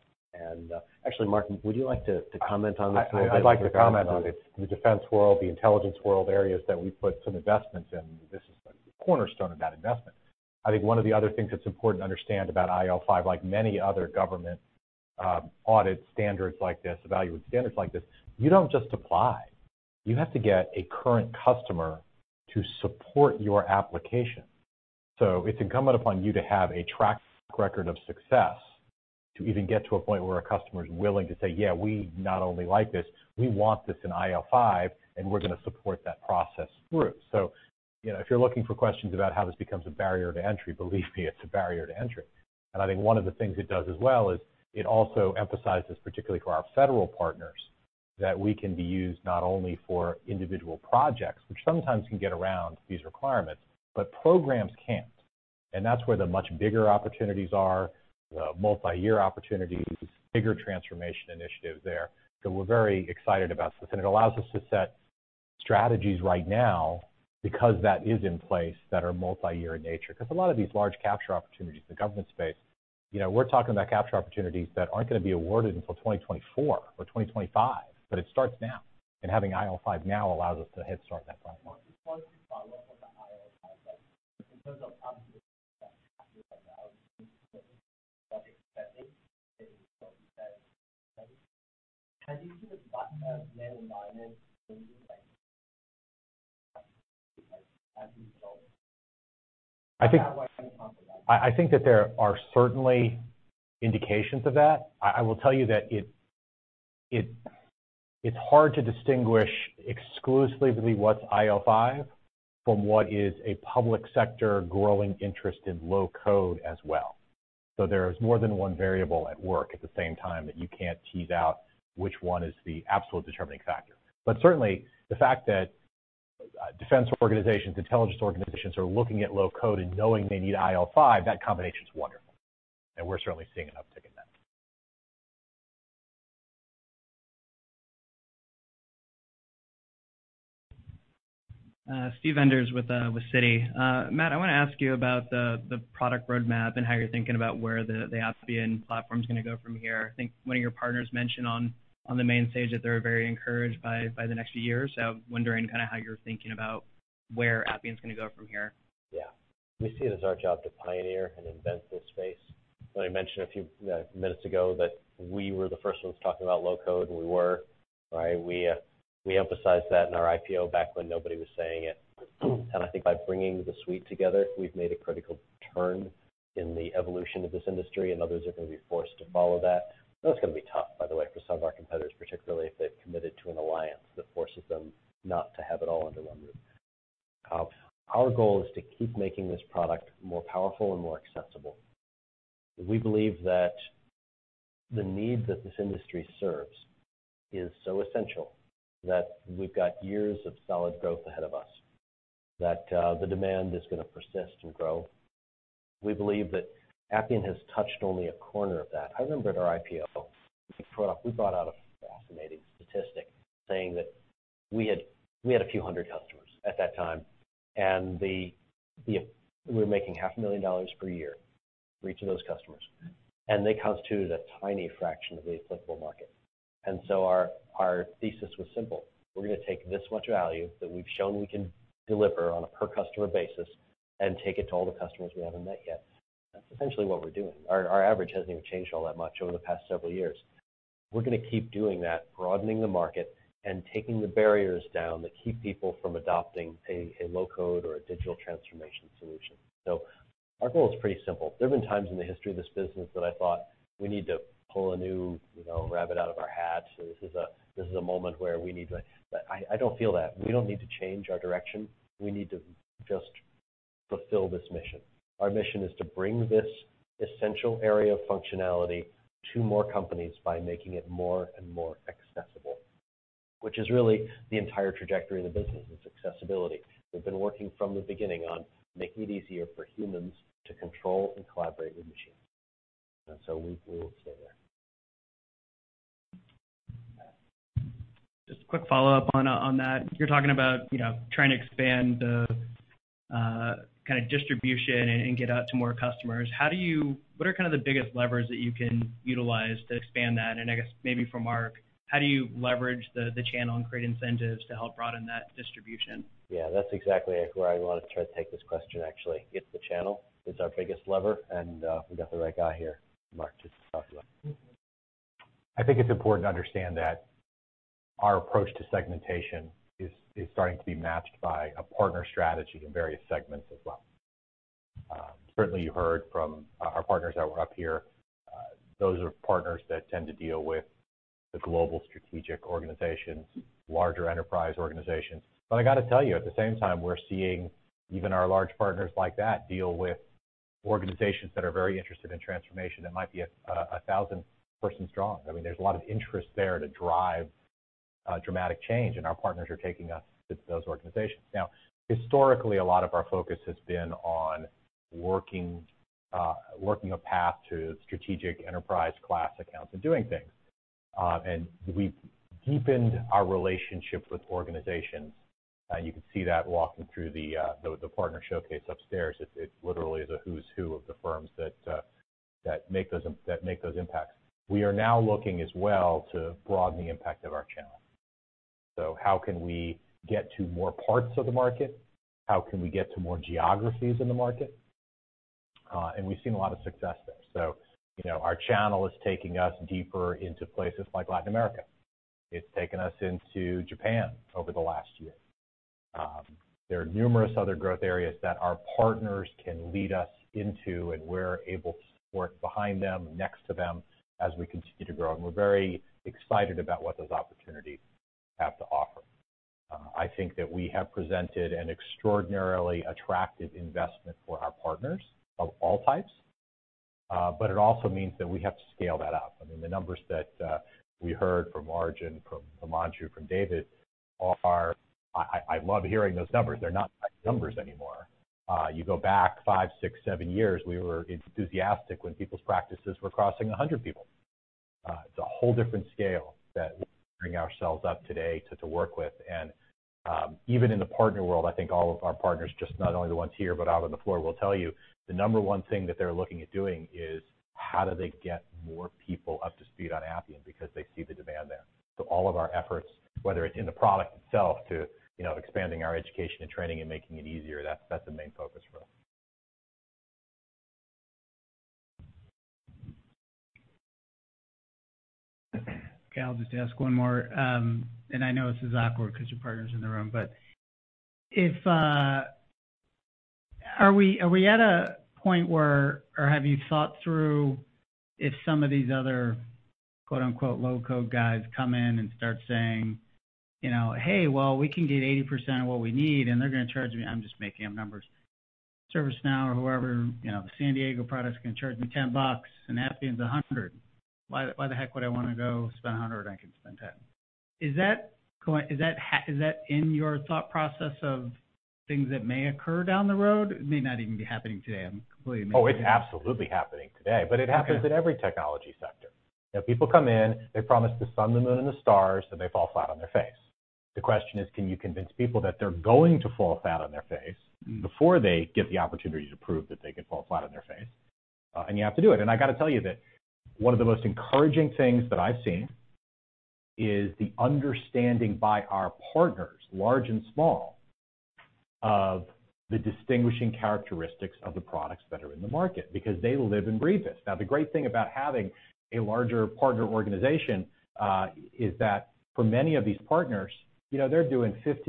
Actually, Mark, would you like to comment on this? I'd like to comment on it. The defense world, the intelligence world areas that we put some investments in, this is the cornerstone of that investment. I think one of the other things that's important to understand about IL5, like many other government audit standards like this, evaluation standards like this, you don't just apply. You have to get a current customer to support your application. It's incumbent upon you to have a track record of success to even get to a point where a customer is willing to say, "Yeah, we not only like this, we want this in IL5, and we're gonna support that process through." You know, if you're looking for questions about how this becomes a barrier to entry, believe me, it's a barrier to entry. I think one of the things it does as well is it also emphasizes, particularly for our federal partners, that we can be used not only for individual projects, which sometimes can get around these requirements, but programs can't. That's where the much bigger opportunities are, the multi-year opportunities, bigger transformation initiatives there. We're very excited about this, and it allows us to set strategies right now because that is in place that are multi-year in nature. Because a lot of these large capture opportunities in the government space, you know, we're talking about capture opportunities that aren't gonna be awarded until 2024 or 2025, but it starts now. Having IL5 now allows us to head start that platform. Just one follow-up on the IL5. In terms of— I think that there are certainly indications of that. I will tell you that it's hard to distinguish exclusively what's IL5 from what is a public sector growing interest in low-code as well. There is more than one variable at work at the same time that you can't tease out which one is the absolute determining factor. Certainly, the fact that defense organizations, intelligence organizations are looking at low-code and knowing they need IL5, that combination's wonderful. We're certainly seeing an uptick in that. Steve Enders with Citi. Matt, I wanna ask you about the product roadmap and how you're thinking about where the Appian platform's gonna go from here. I think one of your partners mentioned on the main stage that they're very encouraged by the next few years. Wondering kinda how you're thinking about where Appian's gonna go from here. Yeah. We see it as our job to pioneer and invent this space. I mentioned a few minutes ago that we were the first ones talking about low-code, and we were, right? We emphasized that in our IPO back when nobody was saying it. I think by bringing the suite together, we've made a critical turn in the evolution of this industry, and others are gonna be forced to follow that. That's gonna be tough, by the way, for some of our competitors, particularly if they've committed to an alliance that forces them not to have it all under one roof. Our goal is to keep making this product more powerful and more accessible. We believe that the need that this industry serves is so essential that we've got years of solid growth ahead of us, that the demand is gonna persist and grow. We believe that Appian has touched only a corner of that. I remember at our IPO, we brought out a fascinating statistic saying that we had a few hundred customers at that time, and we were making half a million dollars per year for each of those customers. They constituted a tiny fraction of the applicable market. Our thesis was simple. We're gonna take this much value that we've shown we can deliver on a per customer basis and take it to all the customers we haven't met yet. That's essentially what we're doing. Our average hasn't even changed all that much over the past several years. We're gonna keep doing that, broadening the market and taking the barriers down that keep people from adopting a low-code or a digital transformation solution. Our goal is pretty simple. There have been times in the history of this business that I thought we need to pull a new, you know, rabbit out of our hat. This is a moment where we need to. I don't feel that. We don't need to change our direction. We need to just fulfill this mission. Our mission is to bring this essential area of functionality to more companies by making it more and more accessible, which is really the entire trajectory of the business. It's accessibility. We've been working from the beginning on making it easier for humans to control and collaborate with machines. We will stay there. Just a quick follow-up on that. You're talking about, you know, trying to expand kinda distribution and get out to more customers. How do you—what are kind of the biggest levers that you can utilize to expand that? I guess maybe for Marc, how do you leverage the channel and create incentives to help broaden that distribution? Yeah, that's exactly where I wanna try to take this question, actually. It's the channel. It's our biggest lever, and we got the right guy here, Marc, to talk about it. I think it's important to understand that our approach to segmentation is starting to be matched by a partner strategy in various segments as well. Certainly you heard from our partners that were up here, those are partners that tend to deal with the global strategic organizations, larger enterprise organizations. I got to tell you, at the same time, we're seeing even our large partners like that deal with organizations that are very interested in transformation that might be a 1,000 persons strong. I mean, there's a lot of interest there to drive dramatic change, and our partners are taking us to those organizations. Now, historically, a lot of our focus has been on working a path to strategic enterprise class accounts and doing things. We've deepened our relationships with organizations. You can see that walking through the partner showcase upstairs. It literally is a who's who of the firms that make those impacts. We are now looking as well to broaden the impact of our channel. How can we get to more parts of the market? How can we get to more geographies in the market? We've seen a lot of success there. You know, our channel is taking us deeper into places like Latin America. It's taken us into Japan over the last year. There are numerous other growth areas that our partners can lead us into, and we're able to work behind them, next to them as we continue to grow. We're very excited about what those opportunities have to offer. I think that we have presented an extraordinarily attractive investment for our partners of all types, but it also means that we have to scale that up. I mean, the numbers that we heard from Arjun, from Manshu, from David are, I love hearing those numbers. They're not numbers anymore. You go back five, six, seven years, we were enthusiastic when people's practices were crossing 100 people. It's a whole different scale that we bring ourselves up today to work with. Even in the partner world, I think all of our partners, just not only the ones here, but out on the floor, will tell you the number one thing that they're looking at doing is how do they get more people up to speed on Appian because they see the demand there. All of our efforts, whether it's in the product itself to, you know, expanding our education and training and making it easier, that's the main focus for us. Okay. I'll just ask one more. And I know this is awkward because your partner's in the room, but if... Are we at a point where or have you thought through if some of these other, quote-unquote, "low-code" guys come in and start saying, you know, "Hey, well, we can get 80% of what we need, and they're gonna charge me," I'm just making up numbers. "ServiceNow or whoever, you know, the ServiceNow San Diego can charge me $10, and Appian's $100. Why the heck would I wanna go spend $100? I can spend $10." Is that in your thought process of things that may occur down the road? It may not even be happening today. I'm completely making it- Oh, it's absolutely happening today. Okay. It happens in every technology sector. You know, people come in, they promise the sun, the moon, and the stars, then they fall flat on their face. The question is, can you convince people that they're going to fall flat on their face? Mm-hmm... before they get the opportunity to prove that they can fall flat on their face? You have to do it. I got to tell you that one of the most encouraging things that I've seen is the understanding by our partners, large and small, of the distinguishing characteristics of the products that are in the market because they live and breathe this. Now, the great thing about having a larger partner organization is that for many of these partners, you know, they're doing $50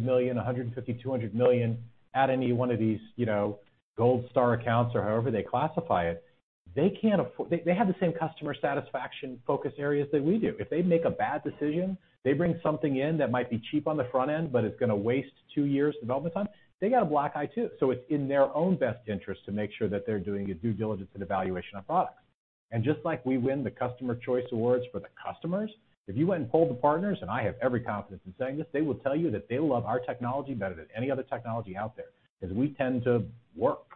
million, $100 million, $150 million, $200 million at any one of these, you know, gold star accounts or however they classify it. They have the same customer satisfaction focus areas that we do. If they make a bad decision, they bring something in that might be cheap on the front end, but it's gonna waste two years development time. They got a black eye too. It's in their own best interest to make sure that they're doing a due diligence and evaluation of products. Just like we win the Customers' Choice awards for the customers, if you went and polled the partners, and I have every confidence in saying this, they will tell you that they love our technology better than any other technology out there because we tend to work.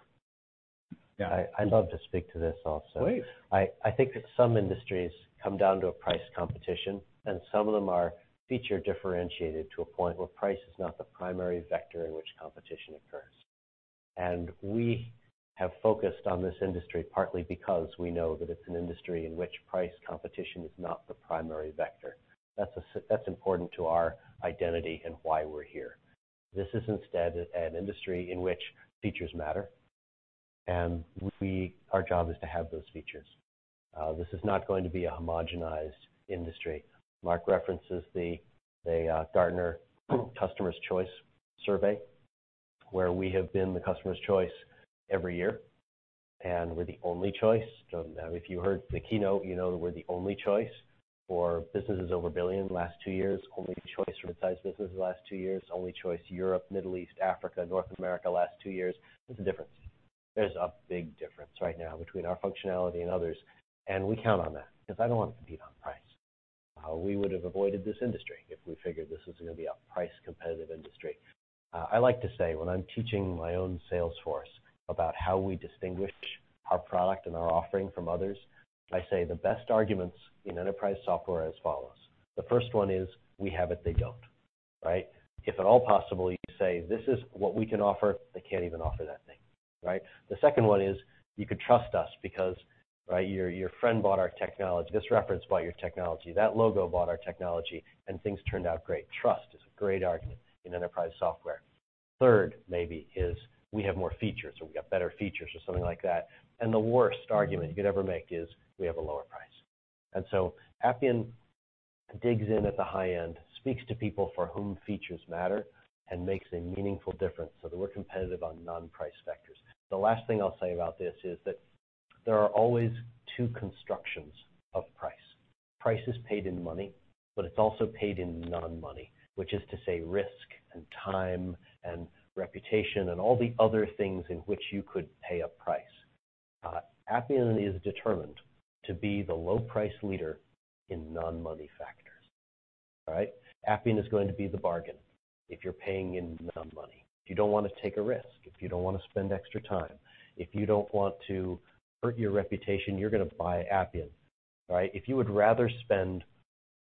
I'd love to speak to this also. Please. I think that some industries come down to a price competition, and some of them are feature differentiated to a point where price is not the primary vector in which competition occurs. We have focused on this industry partly because we know that it's an industry in which price competition is not the primary vector. That's important to our identity and why we're here. This is instead an industry in which features matter, and our job is to have those features. This is not going to be a homogenized industry. Marc references the Gartner Customers' Choice survey, where we have been the customer's choice every year, and we're the only choice. Now if you heard the keynote, you know that we're the only choice for businesses over a billion the last two years, only choice for midsize business the last two years, only choice Europe, Middle East, Africa, North America last two years. There's a difference. There's a big difference right now between our functionality and others, and we count on that because I don't want to compete on price. We would have avoided this industry if we figured this was gonna be a price competitive industry. I like to say when I'm teaching my own sales force about how we distinguish our product and our offering from others, I say the best arguments in enterprise software are as follows. The first one is, we have it, they don't, right? If at all possible, you say, "This is what we can offer. They can't even offer that thing. Right? The second one is, you could trust us because, right, your friend bought our technology. This reference bought your technology. That logo bought our technology, and things turned out great. Trust is a great argument in enterprise software. Third, maybe is we have more features or we got better features or something like that. The worst argument you could ever make is we have a lower price. Appian digs in at the high end, speaks to people for whom features matter, and makes a meaningful difference so that we're competitive on non-price vectors. The last thing I'll say about this is that there are always two constructions of price. Price is paid in money, but it's also paid in non-money, which is to say risk and time and reputation and all the other things in which you could pay a price. Appian is determined to be the low price leader in non-money factors. All right? Appian is going to be the bargain if you're paying in non-money. If you don't want to take a risk, if you don't want to spend extra time, if you don't want to hurt your reputation, you're going to buy Appian, right? If you would rather spend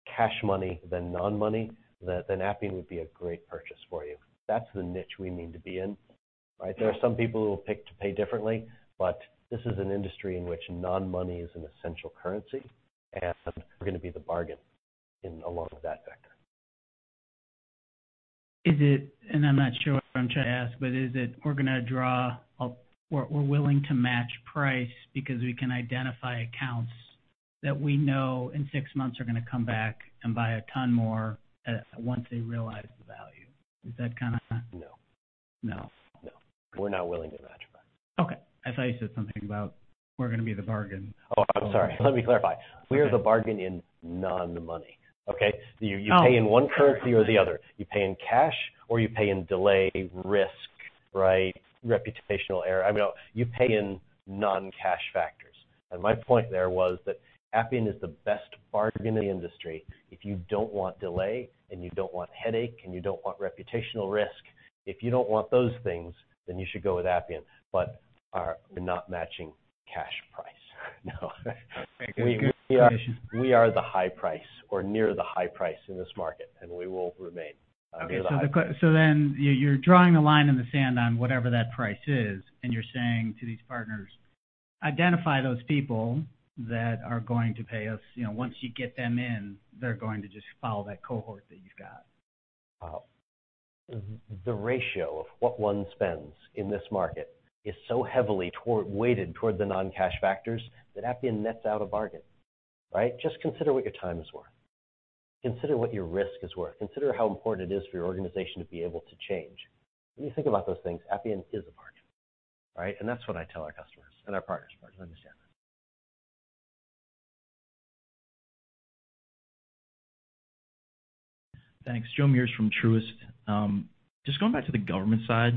cash money than non-money, then Appian would be a great purchase for you. That's the niche we need to be in, right? There are some people who will pick to pay differently, but this is an industry in which non-money is an essential currency, and we're going to be the bargain along that vector. Is it, and I'm not sure what I'm trying to ask, but is it we're willing to match price because we can identify accounts that we know in six months are going to come back and buy a ton more once they realize the value. Is that kinda- No. No. No. We're not willing to match price. Okay. I thought you said something about we're gonna be the bargain. Oh, I'm sorry. Let me clarify. We are the bargain in non-money, okay? Oh, okay. You pay in one currency or the other. You pay in cash or you pay in delay risk, right? Reputational error. I mean, no, you pay in non-cash factors. My point there was that Appian is the best bargain in the industry if you don't want delay and you don't want headache and you don't want reputational risk. If you don't want those things, then you should go with Appian, but, we're not matching cash price. No. Thank you. We are the high price or near the high price in this market, and we will remain. We are the high price. You're drawing a line in the sand on whatever that price is, and you're saying to these partners, "Identify those people that are going to pay us. You know, once you get them in, they're going to just follow that cohort that you've got. Well, the ratio of what one spends in this market is so heavily weighted toward the non-cash factors that Appian nets out a bargain, right? Just consider what your time is worth. Consider what your risk is worth. Consider how important it is for your organization to be able to change. When you think about those things, Appian is a bargain, right? That's what I tell our customers and our partners. Partners understand that. Thanks. Joe Meares from Truist. Just going back to the government side,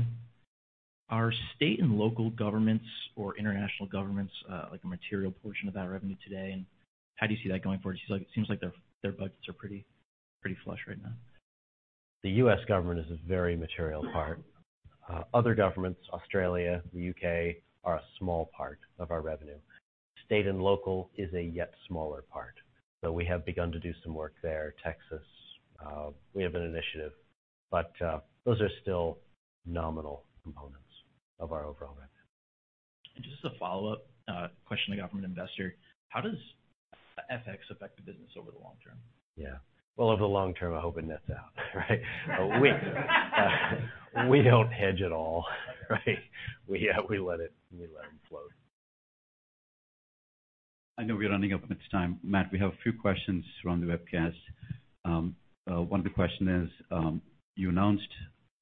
are state and local governments or international governments, like, a material portion of that revenue today? And how do you see that going forward? It seems like their budgets are pretty flush right now. The U.S. government is a very material part. Other governments, Australia, the U.K., are a small part of our revenue. State and local is a yet smaller part. We have begun to do some work there. Texas, we have an initiative, but those are still nominal components of our overall revenue. Just as a follow-up question I got from an investor, how does FX affect the business over the long term? Yeah. Well, over the long term, I hope it nets out, right? We don't hedge at all, right? We let them float. I know we're running up against time. Matt, we have a few questions from the webcast. One of the questions is, you announced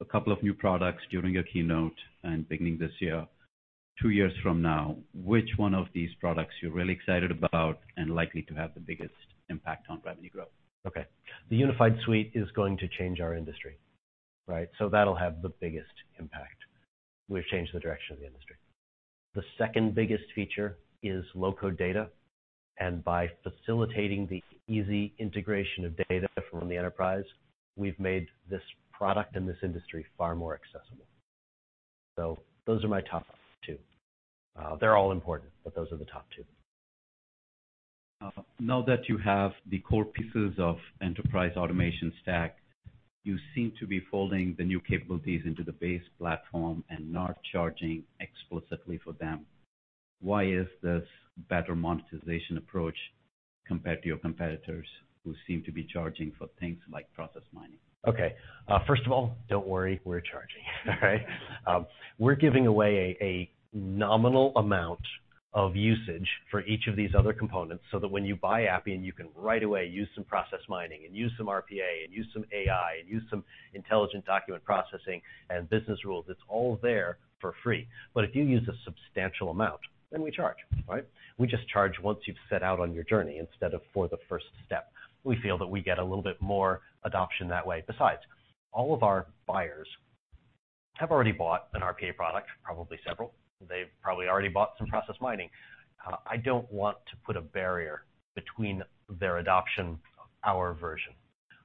a couple of new products during your keynote and beginning this year. Two years from now, which one of these products you're really excited about and likely to have the biggest impact on revenue growth? Okay. The unified suite is going to change our industry, right? That'll have the biggest impact. We've changed the direction of the industry. The second biggest feature is low-code data, and by facilitating the easy integration of data from the enterprise, we've made this product and this industry far more accessible. Those are my top two. They're all important, but those are the top two. Now that you have the core pieces of enterprise automation stack, you seem to be folding the new capabilities into the base platform and not charging explicitly for them. Why is this better monetization approach compared to your competitors who seem to be charging for things like process mining? Okay. First of all, don't worry, we're charging. All right. We're giving away a nominal amount of usage for each of these other components so that when you buy Appian, you can right away use some process mining and use some RPA and use some AI and use some intelligent document processing and business rules. It's all there for free. If you use a substantial amount, then we charge, right? We just charge once you've set out on your journey instead of for the first step. We feel that we get a little bit more adoption that way. Besides, all of our buyers have already bought an RPA product, probably several. They've probably already bought some process mining. I don't want to put a barrier between their adoption of our version.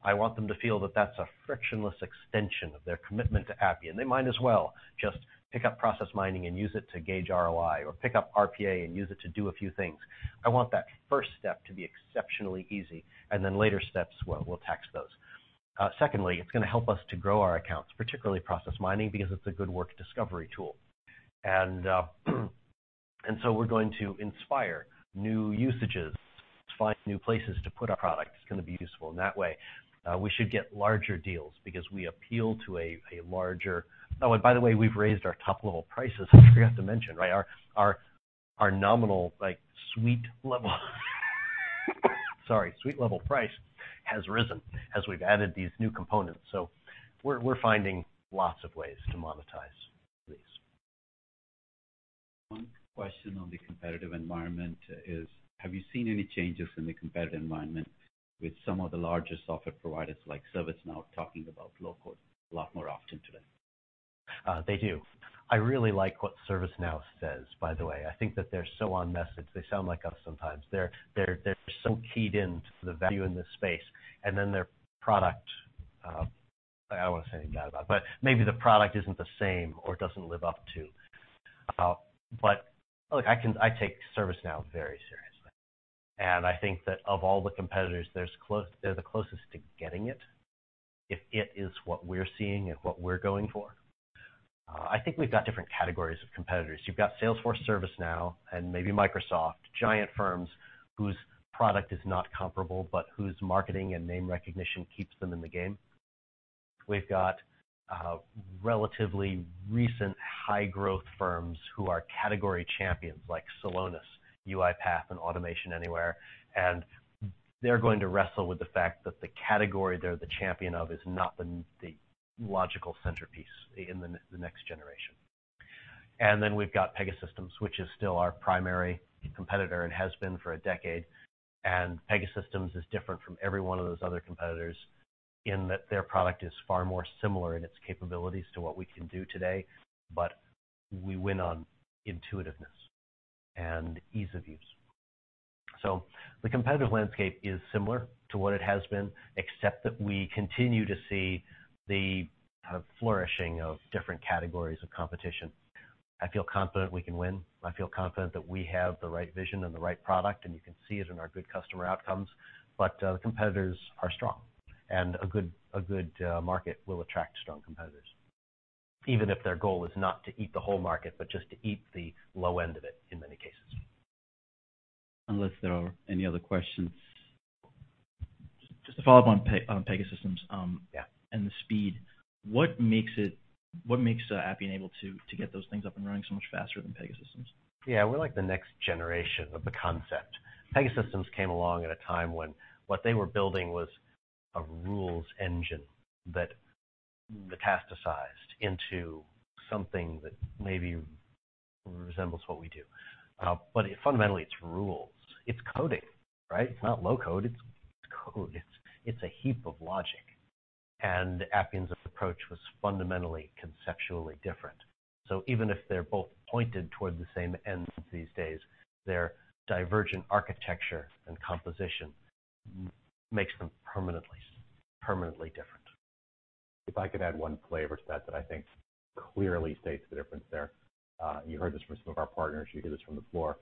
I want them to feel that that's a frictionless extension of their commitment to Appian. They might as well just pick up process mining and use it to gauge ROI or pick up RPA and use it to do a few things. I want that first step to be exceptionally easy, and then later steps, we'll tax those. Secondly, it's gonna help us to grow our accounts, particularly process mining, because it's a good work discovery tool. We're going to inspire new usages, find new places to put our product. It's gonna be useful in that way. We should get larger deals because we appeal to a larger. By the way, we've raised our top level prices. I forgot to mention, right? Our nominal, like, suite level. Suite level price has risen as we've added these new components. We're finding lots of ways to monetize these. One question on the competitive environment is, have you seen any changes in the competitive environment with some of the larger software providers, like ServiceNow talking about low-code a lot more often today? They do. I really like what ServiceNow says, by the way. I think that they're so on message. They sound like us sometimes. They're so keyed into the value in this space, and then their product, I don't wanna say anything bad about it, but maybe the product isn't the same or doesn't live up to. Look, I take ServiceNow very seriously. I think that of all the competitors, they're the closest to getting it, if it is what we're seeing and what we're going for. I think we've got different categories of competitors. You've got Salesforce, ServiceNow, and maybe Microsoft. Giant firms whose product is not comparable, but whose marketing and name recognition keeps them in the game. We've got relatively recent high growth firms who are category champions, like Celonis, UiPath, and Automation Anywhere, and they're going to wrestle with the fact that the category they're the champion of is not the logical centerpiece in the next generation. Then we've got Pegasystems, which is still our primary competitor and has been for a decade. Pegasystems is different from every one of those other competitors in that their product is far more similar in its capabilities to what we can do today, but we win on intuitiveness and ease of use. The competitive landscape is similar to what it has been, except that we continue to see the kind of flourishing of different categories of competition. I feel confident we can win. I feel confident that we have the right vision and the right product, and you can see it in our good customer outcomes. The competitors are strong, and a good market will attract strong competitors, even if their goal is not to eat the whole market, but just to eat the low end of it in many cases. Unless there are any other questions. Just to follow up on Pegasystems— Yeah. — and the speed. What makes Appian able to get those things up and running so much faster than Pegasystems? Yeah. We're like the next generation of the concept. Pegasystems came along at a time when what they were building was a rules engine that metastasized into something that maybe resembles what we do. Fundamentally, it's rules. It's coding, right? It's not low-code, it's code. It's a heap of logic. Appian's approach was fundamentally conceptually different. Even if they're both pointed toward the same ends these days, their divergent architecture and composition makes them permanently different. If I could add one flavor to that I think clearly states the difference there. You heard this from some of our partners, you hear this from the floor.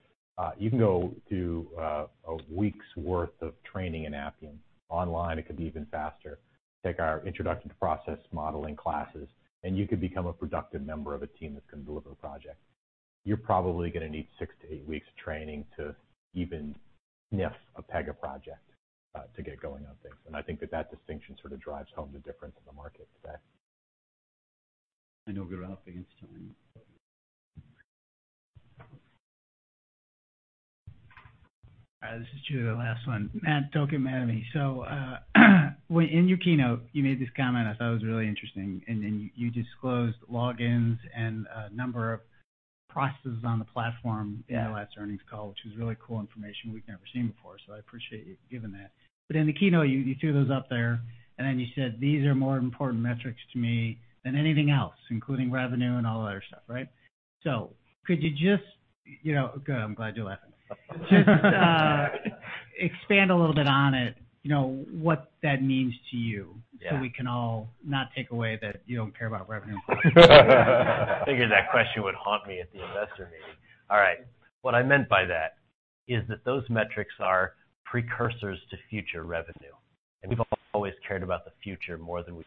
You can go do a week's worth of training in Appian online, it could be even faster. Take our introduction to process modeling classes, and you could become a productive member of a team that's gonna deliver the project. You're probably gonna need six to eight weeks of training to even sniff a Pega project, to get going on things. I think that distinction sort of drives home the difference in the market today. I know we're up against time. This is Judah, last one. Matt, don't get mad at me. When in your keynote, you made this comment I thought was really interesting, and then you disclosed logins and a number of processes on the platform. Yeah. In the last earnings call, which is really cool information we've never seen before, so I appreciate you giving that. In the keynote, you threw those up there, and then you said, "These are more important metrics to me than anything else, including revenue and all that other stuff." Right? Could you just, you know, good, I'm glad you're laughing. Just expand a little bit on it, you know, what that means to you. Yeah. We can all not take away that you don't care about revenue. Figured that question would haunt me at the investor meeting. All right. What I meant by that is that those metrics are precursors to future revenue. We've always cared about the future more than we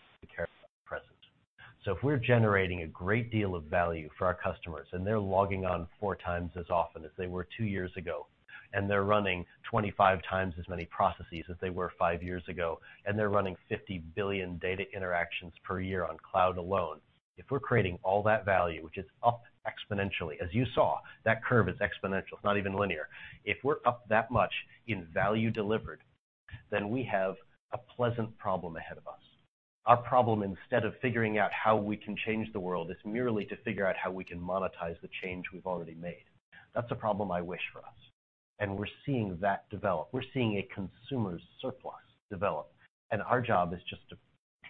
care about the present. If we're generating a great deal of value for our customers, and they're logging on 4x as often as they were two years ago, and they're running 25x as many processes as they were five years ago, and they're running 50 billion data interactions per year on cloud alone, if we're creating all that value, which is up exponentially, as you saw, that curve is exponential. It's not even linear. If we're up that much in value delivered, then we have a pleasant problem ahead of us. Our problem, instead of figuring out how we can change the world, is merely to figure out how we can monetize the change we've already made. That's a problem I wish for us. We're seeing that develop. We're seeing a consumer surplus develop, and our job is just to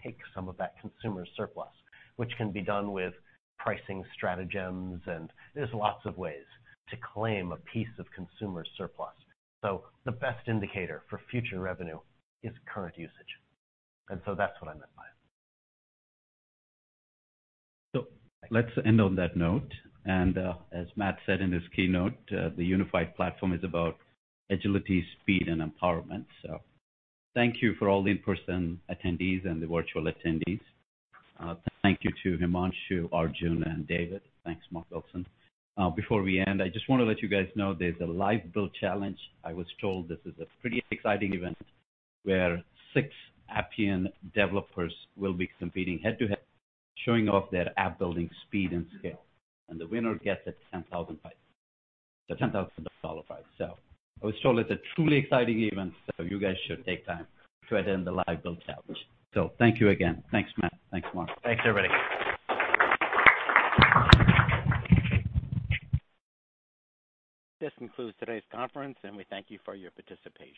take some of that consumer surplus, which can be done with pricing stratagems, and there's lots of ways to claim a piece of consumer surplus. The best indicator for future revenue is current usage. That's what I meant by it. Let's end on that note. As Matt said in his keynote, the unified platform is about agility, speed, and empowerment. Thank you for all the in-person attendees and the virtual attendees. Thank you to Himanshu, Arjun, and David. Thanks, Marc Wilson. Before we end, I just wanna let you guys know there's a live build challenge. I was told this is a pretty exciting event where six Appian developers will be competing head-to-head, showing off their app building speed and scale. The winner gets the $10,000 prize. I was told it's a truly exciting event, so you guys should take time to attend the live build challenge. Thank you again. Thanks, Matt. Thanks, Marc. Thanks, everybody. This concludes today's conference, and we thank you for your participation.